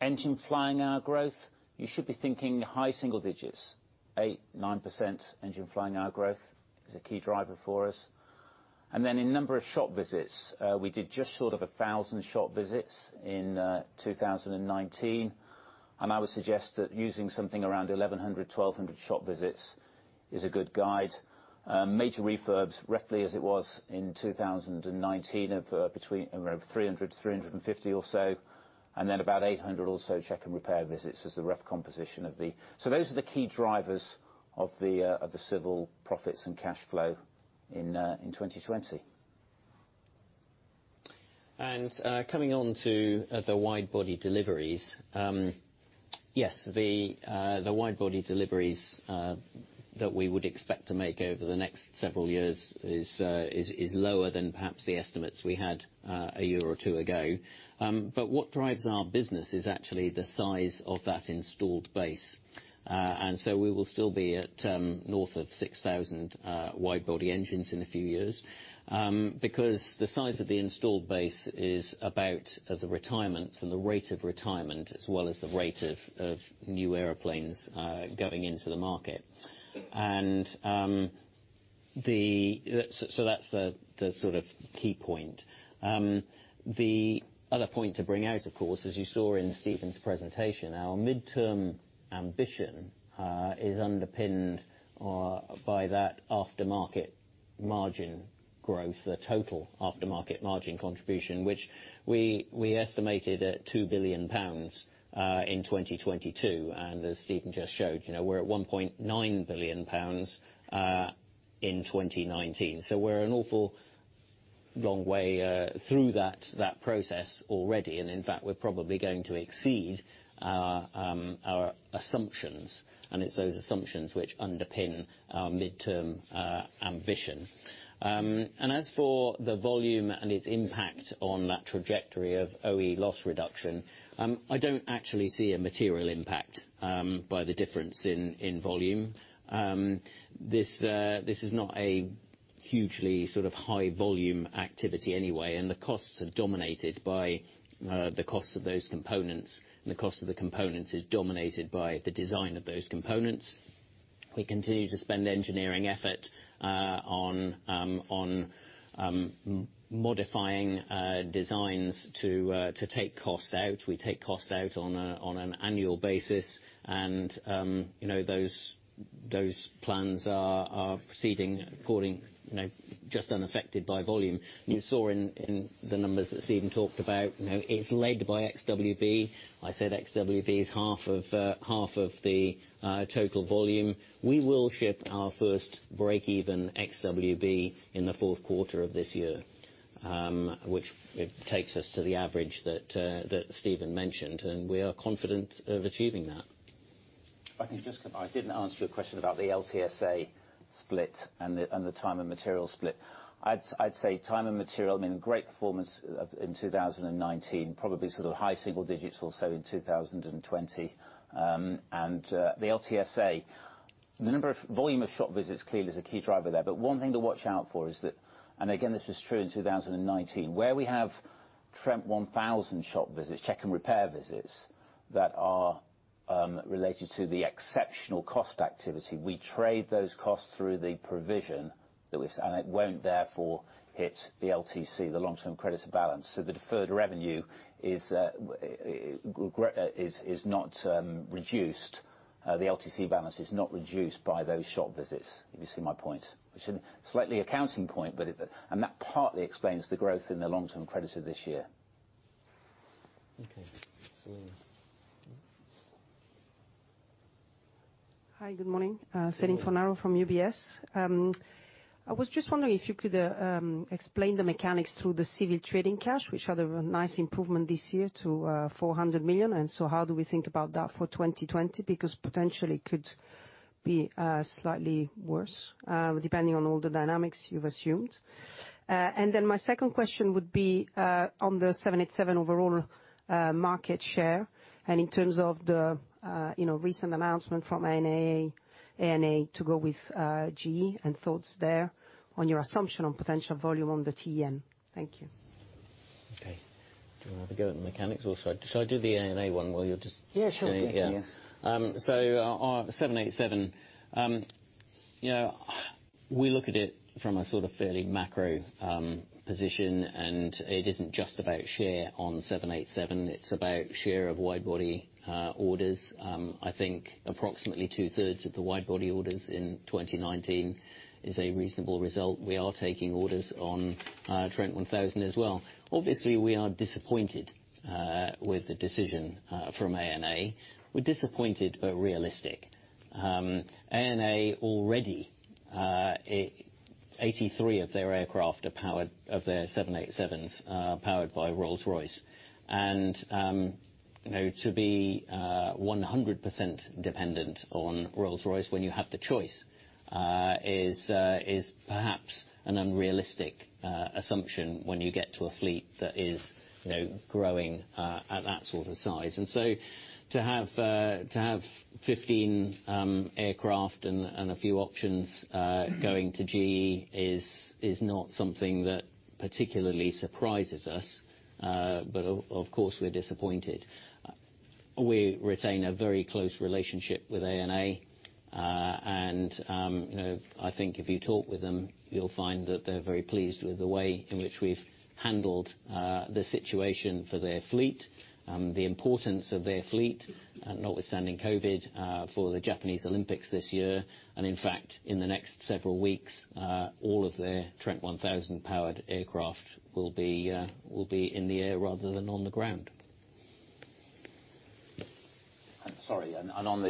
Engine flying hour growth, you should be thinking high single digits. 8%-9% Engine flying hour growth is a key driver for us. In number of shop visits, we did just short of 1,000 shop visits in 2019, and I would suggest that using something around 1,100-1,200 shop visits is a good guide. Major refurbs, roughly as it was in 2019, of between around 300-350 or so, and then about 800 or so check and repair visits is the rough composition. Those are the key drivers of the civil profits and cash flow in 2020. Coming on to the wide-body deliveries. Yes, the wide-body deliveries that we would expect to make over the next several years is lower than perhaps the estimates we had a year or two ago. What drives our business is actually the size of that installed base. So we will still be at north of 6,000 wide-body engines in a few years. The size of the installed base is about the retirements and the rate of retirement, as well as the rate of new airplanes going into the market. That's the key point. The other point to bring out, of course, as you saw in Stephen's presentation, our midterm ambition is underpinned by that aftermarket margin growth, the total aftermarket margin contribution, which we estimated at 2 billion pounds in 2022. As Stephen just showed, we're at 1.9 billion pounds in 2019. We're an awful long way through that process already. In fact, we're probably going to exceed our assumptions, and it's those assumptions which underpin our midterm ambition. As for the volume and its impact on that trajectory of OE loss reduction, I don't actually see a material impact by the difference in volume. This is not a hugely high volume activity anyway, and the costs are dominated by the cost of those components, and the cost of the components is dominated by the design of those components. We continue to spend engineering effort on modifying designs to take costs out. We take costs out on an annual basis. Those plans are proceeding according, just unaffected by volume. You saw in the numbers that Stephen talked about, it's led by XWB. I said XWB is half of the total volume. We will ship our first breakeven XWB in the fourth quarter of this year, which takes us to the average that Stephen mentioned, and we are confident of achieving that. I didn't answer your question about the LTSA split and the time and material split. I'd say time and material, been a great performance in 2019, probably high single digits or so in 2020. The LTSA, the volume of shop visits clearly is a key driver there, but one thing to watch out for is that, and again this was true in 2019, where we have Trent 1000 shop visits, check and repair visits that are related to the exceptional cost activity. We trade those costs through the provision that we've. It won't therefore hit the LTC, the long-term credits balance. The deferred revenue is not reduced. The LTC balance is not reduced by those shop visits. If you see my point. Which is a slightly accounting point, and that partly explains the growth in the long-term creditor this year. Okay. Céline. Hi, good morning. Good morning. Céline Fornaro from UBS. I was just wondering if you could explain the mechanics through the civil trading cash, which had a nice improvement this year to 400 million. How do we think about that for 2020? Because potentially it could be slightly worse, depending on all the dynamics you've assumed. My second question would be on the 787 overall market share, in terms of the recent announcement from ANA to go with GE, and thoughts there on your assumption on potential volume on the TEN. Thank you. Okay. Do you want to have a go at the mechanics also? Shall I do the ANA one while you're just. Yeah, sure. On 787, we look at it from a fairly macro position, and it isn't just about share on 787, it's about share of wide-body orders. I think approximately two-thirds of the wide-body orders in 2019 is a reasonable result. We are taking orders on Trent 1000 as well. Obviously, we are disappointed with the decision from ANA. We're disappointed but realistic. ANA already, 83 of their aircraft are powered, of their 787s, are powered by Rolls-Royce. To be 100% dependent on Rolls-Royce when you have the choice is perhaps an unrealistic assumption when you get to a fleet that is growing at that sort of size. To have 15 aircraft and a few options going to GE is not something that particularly surprises us. Of course, we're disappointed. We retain a very close relationship with ANA. I think if you talk with them, you'll find that they're very pleased with the way in which we've handled the situation for their fleet, the importance of their fleet, notwithstanding COVID, for the Japanese Olympics this year. In fact, in the next several weeks, all of their Trent 1000 powered aircraft will be in the air rather than on the ground. Sorry. On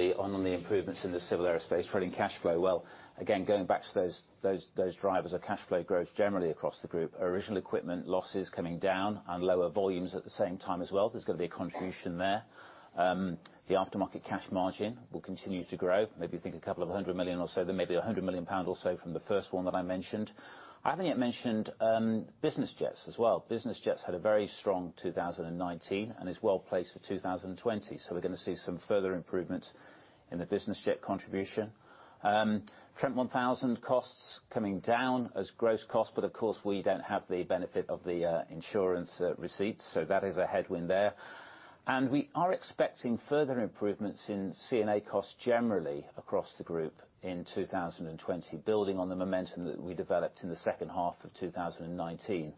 the improvements in the Civil Aerospace trading cash flow, well, again, going back to those drivers of cash flow growth generally across the group, original equipment losses coming down and lower volumes at the same time as well. There's going to be a contribution there. The aftermarket cash margin will continue to grow. Maybe think a couple of 100 million or so, maybe 100 million pound or so from the first one that I mentioned. I haven't yet mentioned business jets as well. Business jets had a very strong 2019 and is well placed for 2020. We're going to see some further improvements in the business jet contribution. Trent 1000 costs coming down as gross cost, of course, we don't have the benefit of the insurance receipts, that is a headwind there. We are expecting further improvements in C&A costs generally across the group in 2020, building on the momentum that we developed in the second half of 2019.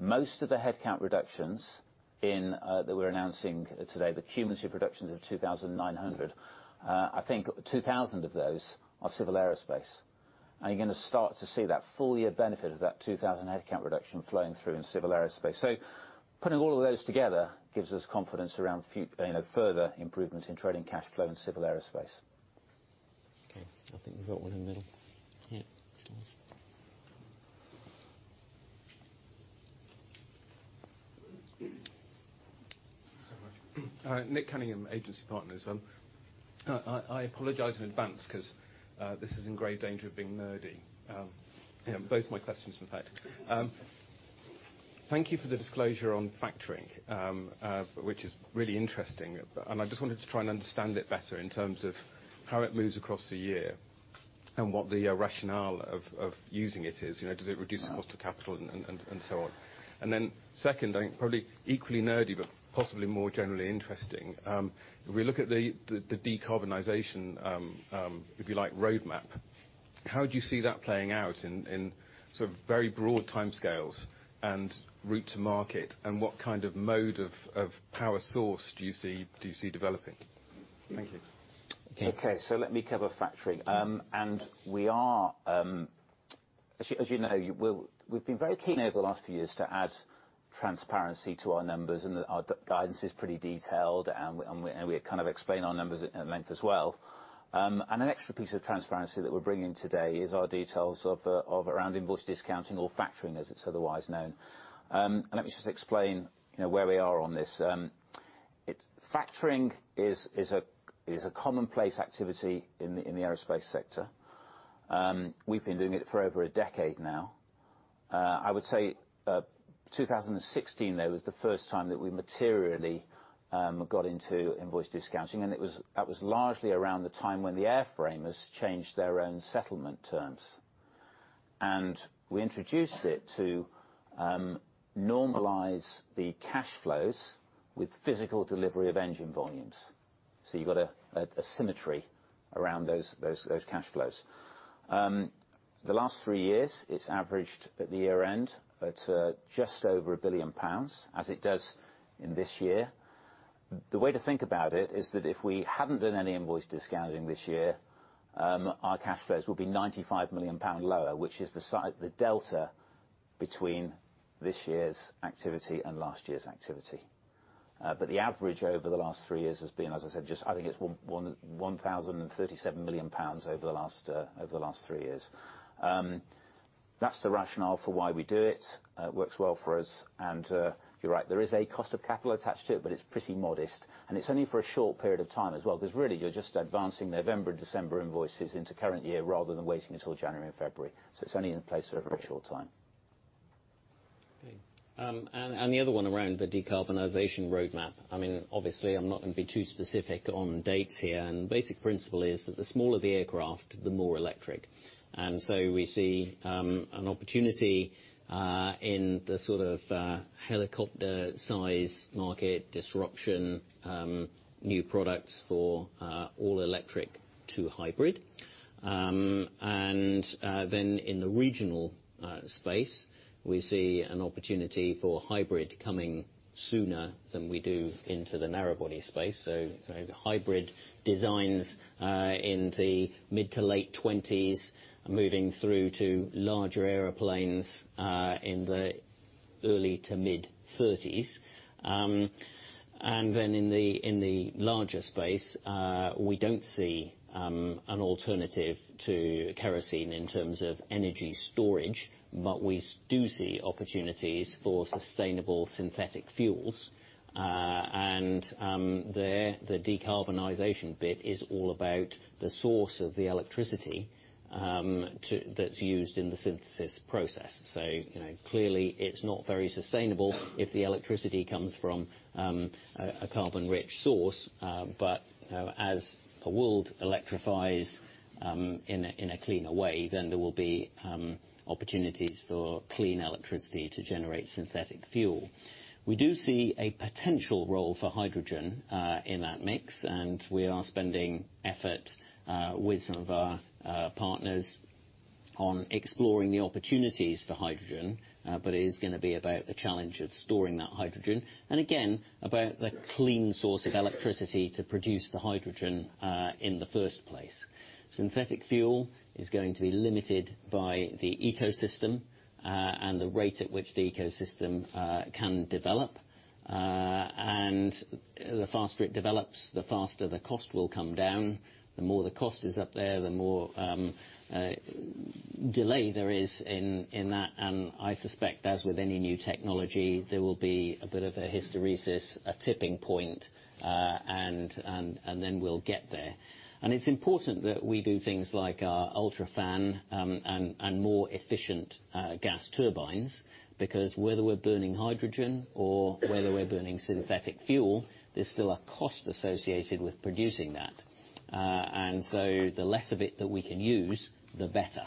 Most of the headcount reductions that we're announcing today, the cumulative reductions of 2,900, I think 2,000 of those are Civil Aerospace. You're going to start to see that full year benefit of that 2,000 headcount reduction flowing through in Civil Aerospace. Putting all of those together gives us confidence around further improvements in trading cash flow in Civil Aerospace. Okay, I think we've got one in the middle. Yeah. Thank you so much. Nick Cunningham, Agency Partners. I apologize in advance because this is in grave danger of being nerdy. Both my questions, in fact. Thank you for the disclosure on factoring, which is really interesting. I just wanted to try and understand it better in terms of how it moves across the year and what the rationale of using it is. Does it reduce the cost of capital and so on? Second, probably equally nerdy, but possibly more generally interesting. If we look at the decarbonization, if you like, roadmap, how do you see that playing out in very broad timescales and route to market? What kind of mode of power source do you see developing? Thank you. Okay, let me cover factoring. As you know, we've been very keen over the last few years to add transparency to our numbers, and our guidance is pretty detailed, and we explain our numbers at length as well. An extra piece of transparency that we're bringing today is our details of around invoice discounting or factoring, as it's otherwise known. Let me just explain where we are on this. Factoring is a commonplace activity in the aerospace sector. We've been doing it for over a decade now. I would say 2016, though, was the first time that we materially got into invoice discounting, and that was largely around the time when the airframers changed their own settlement terms. We introduced it to normalize the cash flows with physical delivery of engine volumes. You've got asymmetry around those cash flows. The last three years, it's averaged at the year-end at just over 1 billion pounds, as it does in this year. The way to think about it is that if we hadn't done any invoice discounting this year, our cash flows will be 95 million pound lower, which is the delta between this year's activity and last year's activity. The average over the last three years has been, as I said, just I think it's 1,037 million pounds over the last three years. That's the rationale for why we do it. It works well for us. You're right, there is a cost of capital attached to it, but it's pretty modest. It's only for a short period of time as well because really you're just advancing November, December invoices into current year rather than waiting until January and February. It's only in place for a very short time. Okay. The other one around the decarbonization roadmap. Obviously, I'm not going to be too specific on dates here. The basic principle is that the smaller the aircraft, the more electric. We see an opportunity in the helicopter size market disruption, new products for all electric to hybrid. Then in the regional space, we see an opportunity for hybrid coming sooner than we do into the narrow body space. Hybrid designs in the mid to late 20s moving through to larger airplanes in the early to mid 30s. Then in the larger space, we don't see an alternative to kerosene in terms of energy storage, but we do see opportunities for sustainable synthetic fuels. There, the decarbonization bit is all about the source of the electricity that's used in the synthesis process. Clearly it's not very sustainable if the electricity comes from a carbon-rich source. As the world electrifies in a cleaner way, then there will be opportunities for clean electricity to generate synthetic fuel. We do see a potential role for hydrogen in that mix, and we are spending effort with some of our partners on exploring the opportunities for hydrogen, but it is going to be about the challenge of storing that hydrogen, and again, about the clean source of electricity to produce the hydrogen in the first place. Synthetic fuel is going to be limited by the ecosystem, and the rate at which the ecosystem can develop. The faster it develops, the faster the cost will come down. The more the cost is up there, the more delay there is in that. I suspect, as with any new technology, there will be a bit of a hysteresis, a tipping point, then we'll get there. It's important that we do things like our UltraFan and more efficient gas turbines, because whether we're burning hydrogen or whether we're burning synthetic fuel, there's still a cost associated with producing that. The less of it that we can use, the better.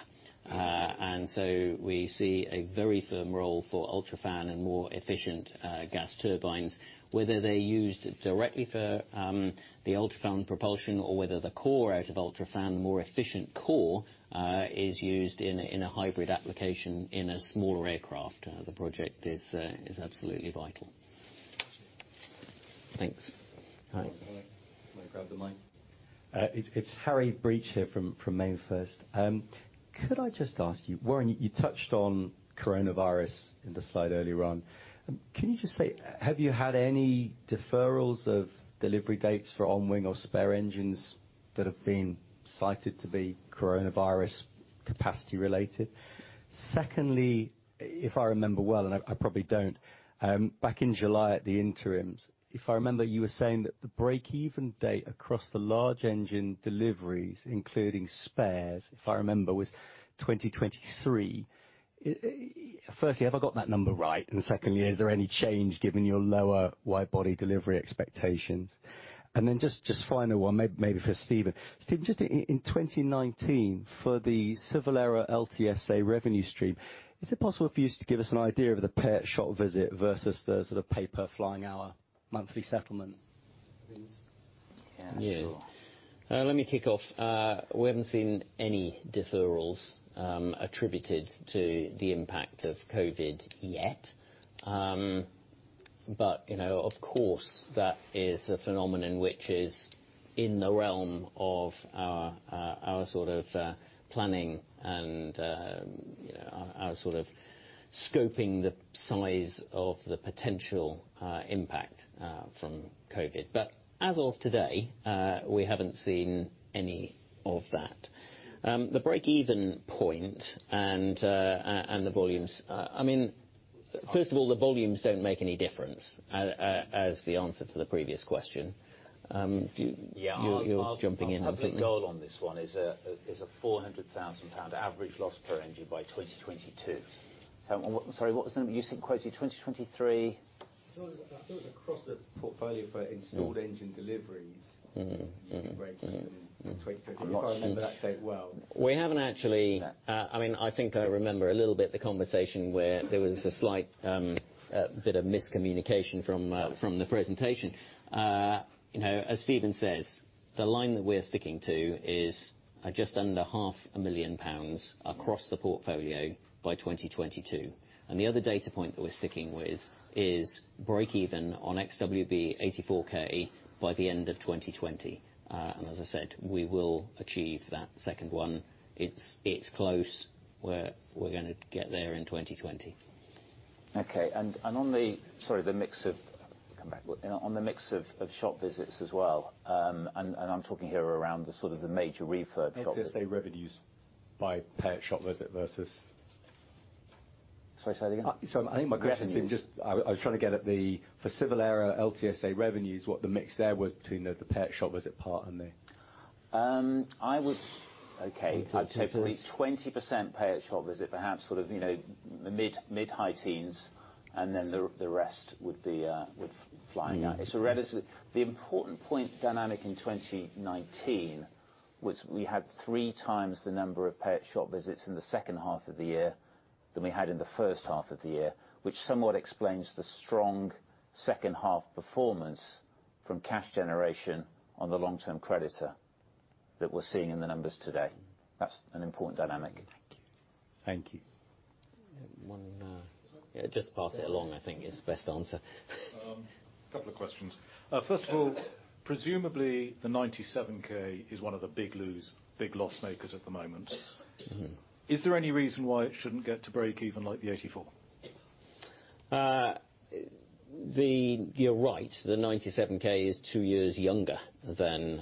We see a very firm role for UltraFan and more efficient gas turbines, whether they're used directly for the UltraFan propulsion or whether the core out of UltraFan, the more efficient core, is used in a hybrid application in a smaller aircraft. The project is absolutely vital. Thanks. Hi. You want to grab the mic? It's Harry Breach here from MainFirst. Could I just ask you, Warren, you touched on coronavirus in the slide earlier on. Can you just say, have you had any deferrals of delivery dates for on-wing or spare engines that have been cited to be coronavirus capacity-related? Secondly, if I remember well, and I probably don't, back in July at the interims, if I remember, you were saying that the break-even date across the large engine deliveries, including spares, if I remember, was 2023. Firstly, have I got that number right? Secondly, is there any change given your lower wide-body delivery expectations? Then just final one, maybe for Stephen. Stephen, just in 2019, for the Civil Aero LTSA revenue stream, is it possible for you to give us an idea of the pay-at-shop visit versus the paper flying hour monthly settlement please? Yeah. Sure. Let me kick off. We haven't seen any deferrals attributed to the impact of COVID yet. Of course, that is a phenomenon which is in the realm of our planning and our scoping the size of the potential impact from COVID. As of today, we haven't seen any of that. The break-even point and the volumes. First of all, the volumes don't make any difference, as the answer to the previous question. You're jumping in, I think. Our public goal on this one is a 400,000 pound average loss per engine by 2022. Sorry, what was the number you quoted? 2023? I thought it was across the portfolio for installed engine deliveries. Break-even in 2023. I'm not sure. If I remember that date well. We haven't actually I think I remember a little bit the conversation where there was a slight bit of miscommunication from the presentation. As Stephen says, the line that we're sticking to is just under half a million pounds across the portfolio by 2022. The other data point that we're sticking with is break-even on XWB 84K by the end of 2020. As I said, we will achieve that second one. It's close. We're going to get there in 2020. Okay. On the mix of shop visits as well, and I'm talking here around the major refurb shop visits. LTSA revenues by pay-at-shop visit versus Sorry, say that again? Sorry, I think my question's been. Revenues I was trying to get at, for Civil Aero LTSA revenues, what the mix there was between the pay-at-shop visit part and the I would say 20% pay-at-shop visit, perhaps mid-high teens, and then the rest would be with flying hour. The important point dynamic in 2019 was we had three times the number of pay-at-shop visits in the second half of the year than we had in the first half of the year, which somewhat explains the strong second half performance from cash generation on the long-term contract that we're seeing in the numbers today. That's an important dynamic. Thank you. One Yeah, just pass it along, I think is best answer. A couple of questions. First of all, presumably the 97K is one of the big loss makers at the moment. Is there any reason why it shouldn't get to break even like the 84? You're right. The 97K is two years younger than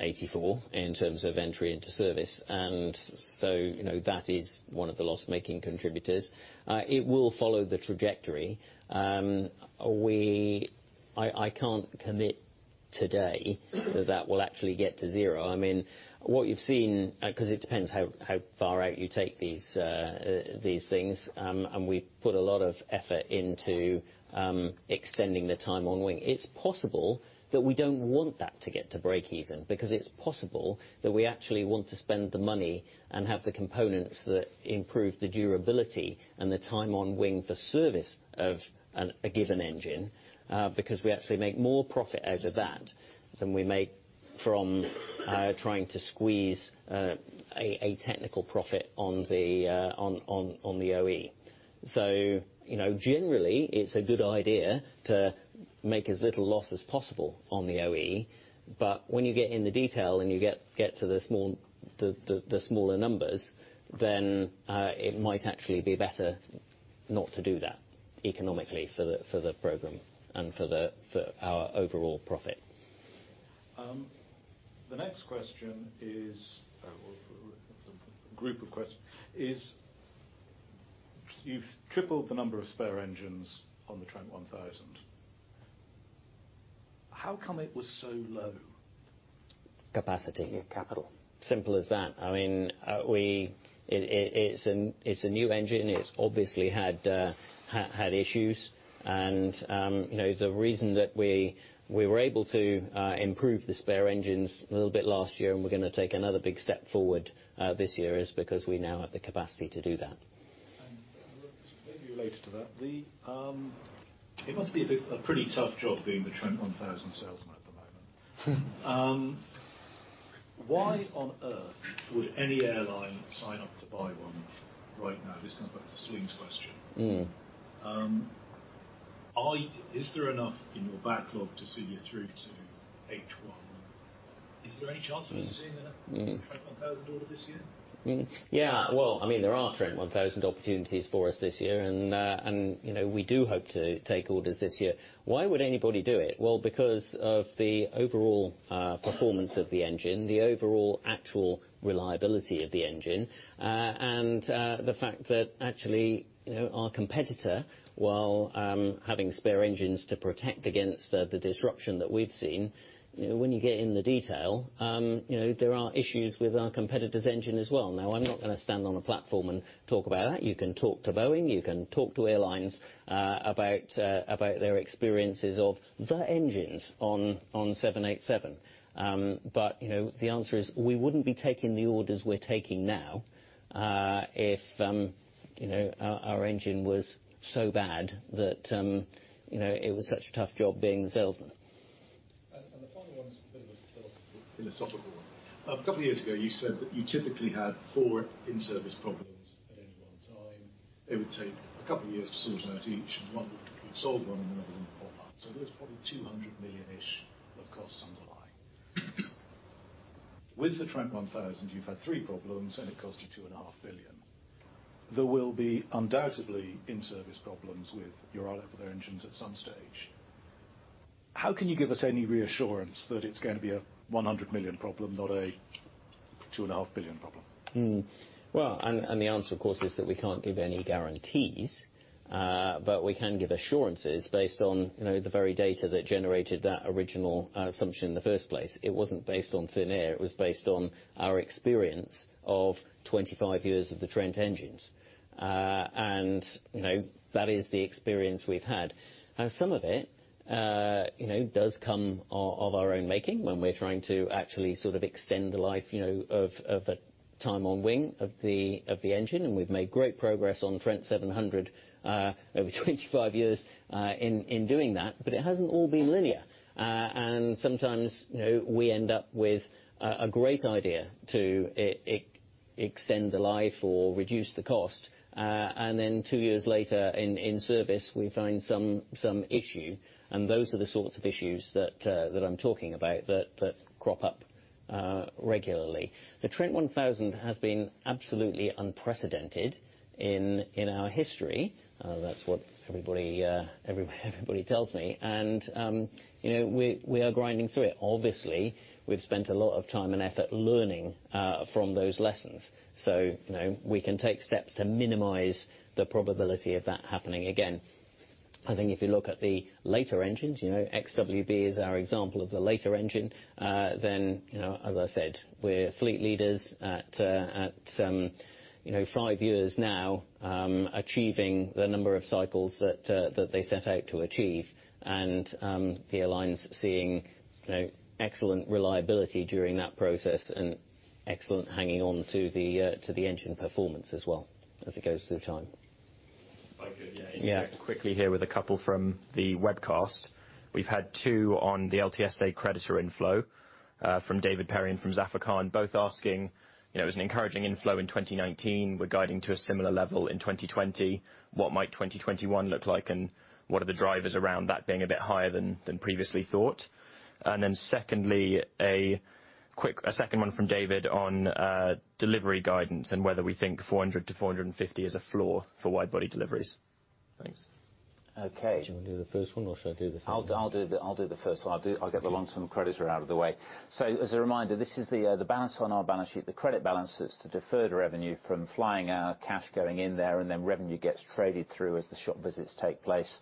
84 in terms of entry into service. That is one of the loss-making contributors. It will follow the trajectory. I can't commit today that that will actually get to zero. What you've seen, because it depends how far out you take these things, and we put a lot of effort into extending the time on wing. It's possible that we don't want that to get to break even, because it's possible that we actually want to spend the money and have the components that improve the durability and the time on wing for service of a given engine, because we actually make more profit out of that than we make from trying to squeeze a technical profit on the OE. Generally, it's a good idea to make as little loss as possible on the OE. When you get in the detail and you get to the smaller numbers, then it might actually be better not to do that economically for the program and for our overall profit. The next question is A group of questions. You've tripled the number of spare engines on the Trent 1000. How come it was so low? Capacity. Yeah, capital. Simple as that. It's a new engine. It's obviously had issues. The reason that we were able to improve the spare engines a little bit last year, and we're going to take another big step forward this year, is because we now have the capacity to do that. Maybe related to that, it must be a pretty tough job being the Trent 1000 salesman at the moment. Why on earth would any airline sign up to buy one right now? This comes back to the swings question. Is there enough in your backlog to see you through to H1? Is there any chance of us seeing a Trent 1000 order this year? Yeah. There are Trent 1000 opportunities for us this year, and we do hope to take orders this year. Why would anybody do it? Well, because of the overall performance of the engine, the overall actual reliability of the engine, and the fact that actually our competitor, while having spare engines to protect against the disruption that we've seen, when you get in the detail, there are issues with our competitor's engine as well. I'm not going to stand on a platform and talk about that. You can talk to Boeing, you can talk to airlines about their experiences of the engines on 787. The answer is, we wouldn't be taking the orders we're taking now, if our engine was so bad that it was such a tough job being the salesman. The final one's a bit of a philosophical one. A couple of years ago, you said that you typically had four in-service problems at any one time. It would take a couple of years to sort out each. One would solve one and another one would pop up. There was probably GBP 200 million-ish of costs underlying. With the Trent 1000s, you've had three problems, and it cost you 2.5 billion. There will be undoubtedly in-service problems with your other engines at some stage. How can you give us any reassurance that it's going to be a 100 million problem, not a 2.5 billion problem? The answer, of course, is that we can't give any guarantees. We can give assurances based on the very data that generated that original assumption in the first place. It wasn't based on thin air. It was based on our experience of 25 years of the Trent engines. That is the experience we've had. Some of it does come of our own making when we're trying to actually sort of extend the life of a time on wing of the engine, and we've made great progress on Trent 700 over 25 years in doing that, but it hasn't all been linear. Sometimes, we end up with a great idea to extend the life or reduce the cost. Then two years later in service, we find some issue, and those are the sorts of issues that I'm talking about that crop up regularly. The Trent 1000 has been absolutely unprecedented in our history. That's what everybody tells me. We are grinding through it. Obviously, we've spent a lot of time and effort learning from those lessons. We can take steps to minimize the probability of that happening again. I think if you look at the later engines, XWB is our example of the later engine, as I said, we're fleet leaders at five years now, achieving the number of cycles that they set out to achieve. The airlines are seeing excellent reliability during that process and excellent hanging on to the engine performance as well as it goes through time. If I could, yeah. Yeah. Quickly here with a couple from the webcast. We've had two on the LTSA creditor inflow, from David Perry and from Zafar Khan, both asking, as an encouraging inflow in 2019, we're guiding to a similar level in 2020. What might 2021 look like, and what are the drivers around that being a bit higher than previously thought? Secondly, a second one from David on delivery guidance and whether we think 400-450 is a floor for wide-body deliveries. Thanks. Okay. Do you want to do the first one, or shall I do the second? I'll do the first one. I'll get the long-term credits are out of the way. As a reminder, this is the balance on our balance sheet, the credit balance that's the deferred revenue from flying hour cash going in there, and then revenue gets traded through as the shop visits take place.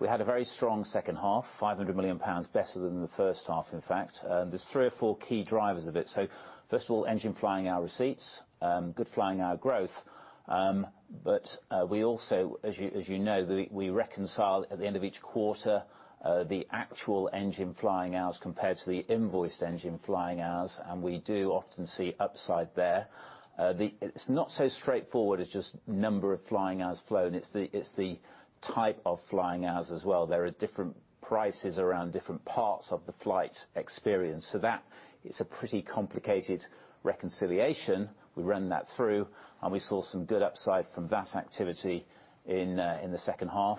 We had a very strong second half, 500 million pounds better than the first half, in fact. There's three or four key drivers of it. First of all, engine flying hour receipts, good flying hour growth We also, as you know, we reconcile at the end of each quarter the actual engine flying hours compared to the invoiced engine flying hours, and we do often see upside there. It's not so straightforward as just number of flying hours flown. It's the type of flying hours as well. There are different prices around different parts of the flight experience, that is a pretty complicated reconciliation. We ran that through, we saw some good upside from that activity in the second half.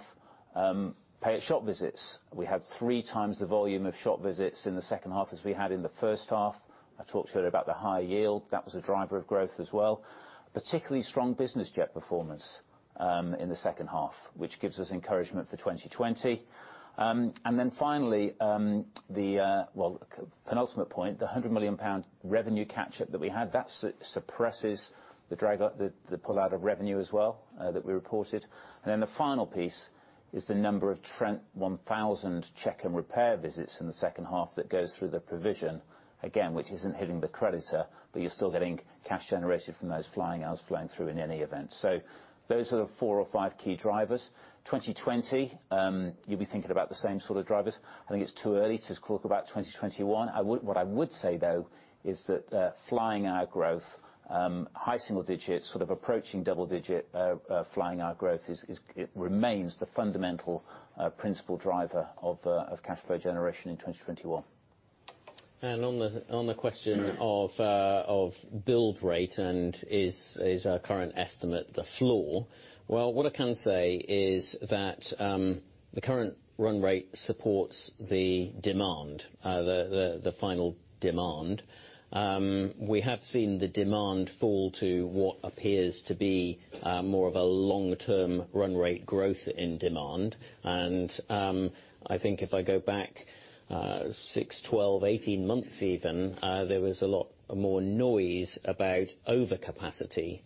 Pay at shop visits. We had three times the volume of shop visits in the second half as we had in the first half. I talked to you about the high yield. That was a driver of growth as well. Particularly strong business jet performance in the second half, which gives us encouragement for 2020. Finally, penultimate point, the 100 million pound revenue catch-up that we had, that suppresses the pull-out of revenue as well that we reported. The final piece is the number of Trent 1000 check and repair visits in the second half that goes through the provision, again, which isn't hitting the creditor, but you're still getting cash generation from those flying hours flowing through in any event. Those are the four or five key drivers. 2020, you'll be thinking about the same sort of drivers. I think it's too early to talk about 2021. What I would say, though, is that flying hour growth, high single digits, sort of approaching double-digit flying hour growth remains the fundamental principal driver of cash flow generation in 2021. On the question of build rate and is our current estimate the floor? Well, what I can say is that the current run rate supports the demand, the final demand. We have seen the demand fall to what appears to be more of a long-term run rate growth in demand. I think if I go back 6, 12, 18 months even, there was a lot more noise about overcapacity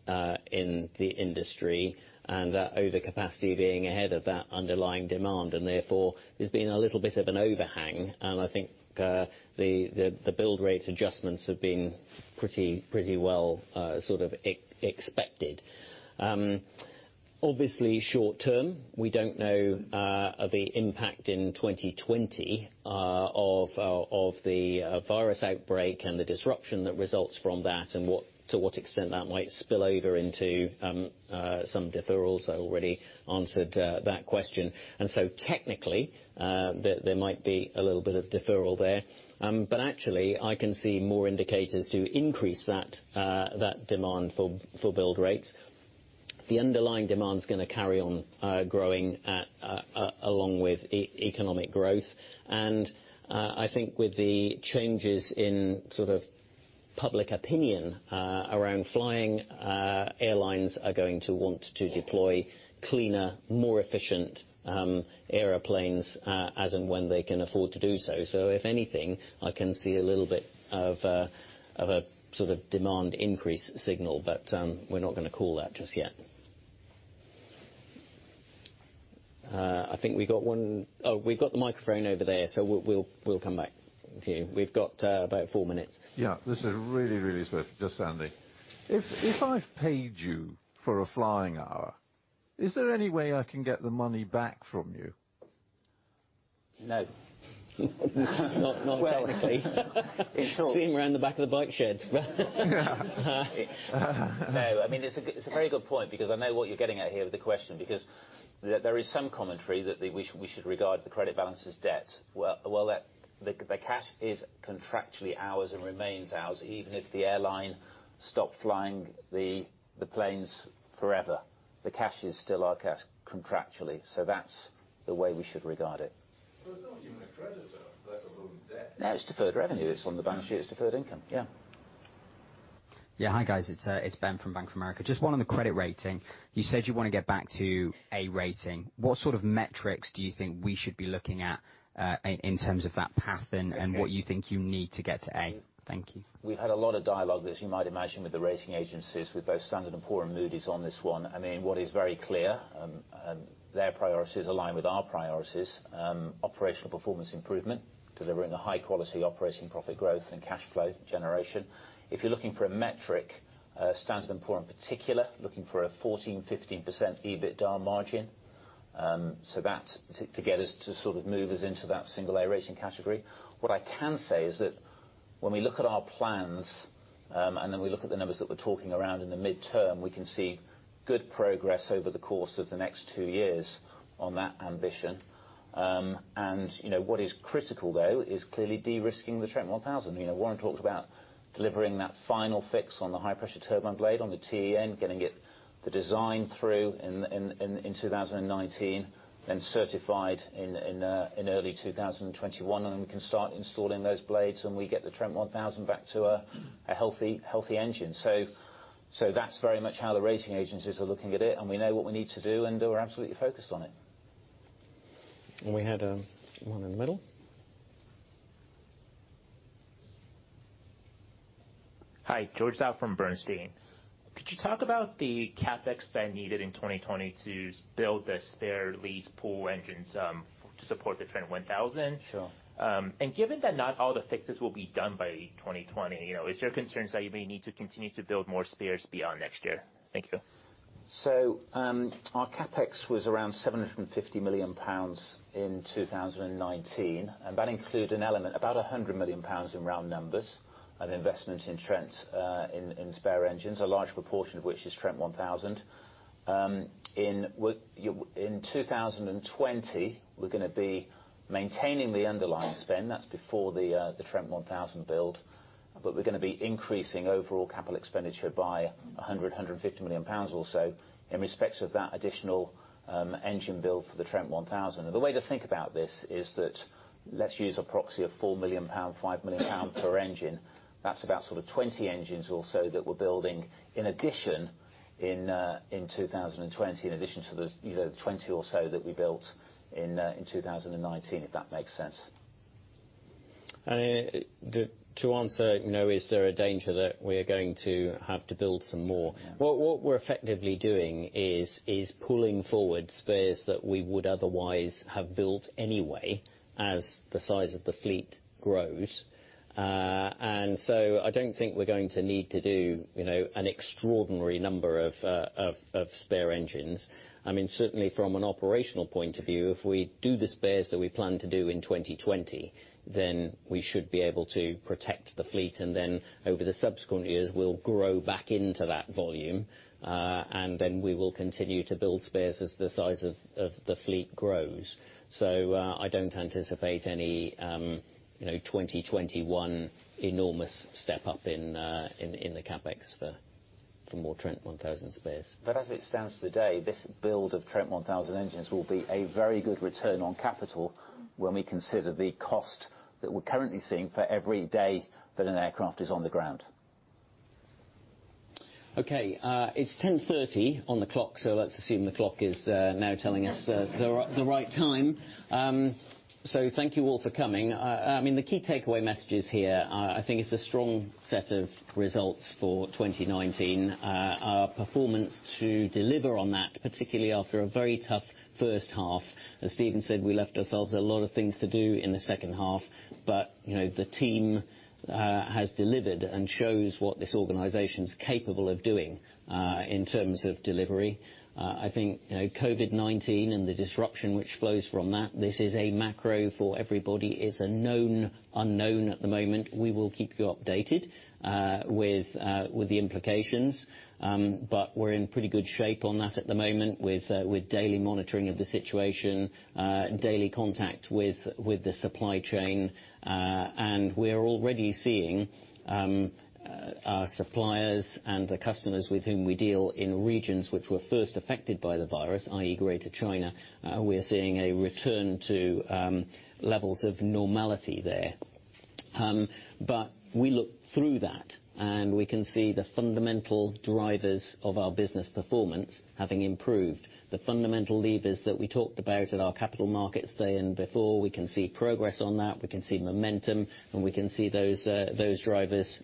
in the industry, and that overcapacity being ahead of that underlying demand, and therefore there's been a little bit of an overhang. I think the build rate adjustments have been pretty well expected. Obviously, short term, we don't know the impact in 2020 of the virus outbreak and the disruption that results from that and to what extent that might spill over into some deferrals. I already answered that question. Technically, there might be a little bit of deferral there. Actually, I can see more indicators to increase that demand for build rates. The underlying demand is going to carry on growing along with economic growth. I think with the changes in sort of public opinion around flying, airlines are going to want to deploy cleaner, more efficient airplanes as and when they can afford to do so. If anything, I can see a little bit of a sort of demand increase signal, but we're not going to call that just yet. I think we got one. Oh, we've got the microphone over there, so we'll come back to you. We've got about four minutes. Yeah. This is really swift. Just Andy. If I've paid you for a flying hour, is there any way I can get the money back from you? No. Not technically. Well. See him around the back of the bike shed. No, it's a very good point because I know what you're getting at here with the question, because there is some commentary that we should regard the credit balance as debt. Well, the cash is contractually ours and remains ours, even if the airline stopped flying the planes forever. The cash is still our cash contractually, so that's the way we should regard it. It's not even a creditor, let alone debt. No, it's deferred revenue. It's on the balance sheet. It's deferred income. Yeah. Yeah. Hi, guys. It's Ben from Bank of America. Just one on the credit rating. You said you want to get back to A rating. What sort of metrics do you think we should be looking at in terms of that path and what you think you need to get to A? Thank you. We've had a lot of dialogue, as you might imagine, with the rating agencies, with both Standard & Poor's and Moody's on this one. What is very clear, their priorities align with our priorities. Operational performance improvement, delivering a high-quality operating profit growth and cash flow generation. If you're looking for a metric, Standard & Poor's in particular, looking for a 14%-15% EBITDA margin. That to get us to sort of move us into that single A rating category. What I can say is that when we look at our plans, and then we look at the numbers that we're talking around in the mid-term, we can see good progress over the course of the next two years on that ambition. What is critical, though, is clearly de-risking the Trent 1000. Warren talked about delivering that final fix on the high-pressure turbine blade on the TEN, getting the design through in 2019, then certified in early 2021. Then we can start installing those blades, and we get the Trent 1000 back to a healthy engine. That's very much how the rating agencies are looking at it, and we know what we need to do, and we're absolutely focused on it. We had one in the middle. Hi, George Zhao from Bernstein. Could you talk about the CapEx spend needed in 2020 to build the spare lease pool engines to support the Trent 1000? Sure. Given that not all the fixes will be done by 2020, is there concerns that you may need to continue to build more spares beyond next year? Thank you. Our CapEx was around 750 million pounds in 2019, and that included an element, about 100 million pounds in round numbers, of investment in Trent, in spare engines, a large proportion of which is Trent 1000. In 2020, we're going to be maintaining the underlying spend. That's before the Trent 1000 build. We're going to be increasing overall capital expenditure by 100 million pounds, 150 million pounds or so in respect of that additional engine build for the Trent 1000. The way to think about this is that, let's use a proxy of 4 million pound, 5 million pound per engine. That's about 20 engines or so that we're building in addition in 2020, in addition to the 20 or so that we built in 2019, if that makes sense. To answer, is there a danger that we're going to have to build some more? Yeah. What we're effectively doing is pulling forward spares that we would otherwise have built anyway as the size of the fleet grows. I don't think we're going to need to do an extraordinary number of spare engines. Certainly from an operational point of view, if we do the spares that we plan to do in 2020, we should be able to protect the fleet, over the subsequent years, we'll grow back into that volume, we will continue to build spares as the size of the fleet grows. I don't anticipate any 2021 enormous step up in the CapEx for more Trent 1000 spares. As it stands today, this build of Trent 1000 engines will be a very good return on capital when we consider the cost that we're currently seeing for every day that an aircraft is on the ground. Okay. It's 10:30 on the clock, so let's assume the clock is now telling us the right time. Thank you all for coming. The key takeaway messages here are I think it's a strong set of results for 2019. Our performance to deliver on that, particularly after a very tough first half. As Stephen said, we left ourselves a lot of things to do in the second half. The team has delivered and shows what this organization's capable of doing in terms of delivery. I think COVID-19 and the disruption which flows from that, this is a macro for everybody. It's a known unknown at the moment. We will keep you updated with the implications. We're in pretty good shape on that at the moment with daily monitoring of the situation, daily contact with the supply chain. We're already seeing our suppliers and the customers with whom we deal in regions which were first affected by the virus, i.e. greater China, we're seeing a return to levels of normality there. We look through that, and we can see the fundamental drivers of our business performance having improved. The fundamental levers that we talked about at our Capital Markets Day and before, we can see progress on that, we can see momentum, and we can see those drivers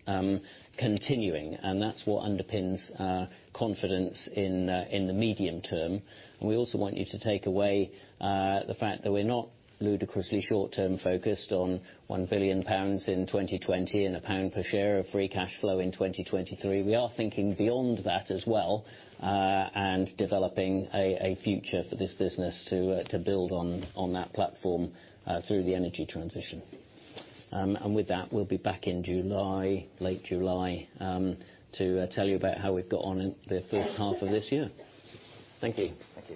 continuing. That's what underpins our confidence in the medium term. We also want you to take away the fact that we're not ludicrously short-term focused on 1 billion pounds in 2020 and a GBP per share of free cash flow in 2023. We are thinking beyond that as well, and developing a future for this business to build on that platform through the energy transition. With that, we'll be back in July, late July, to tell you about how we've got on in the first half of this year. Thank you. Thank you.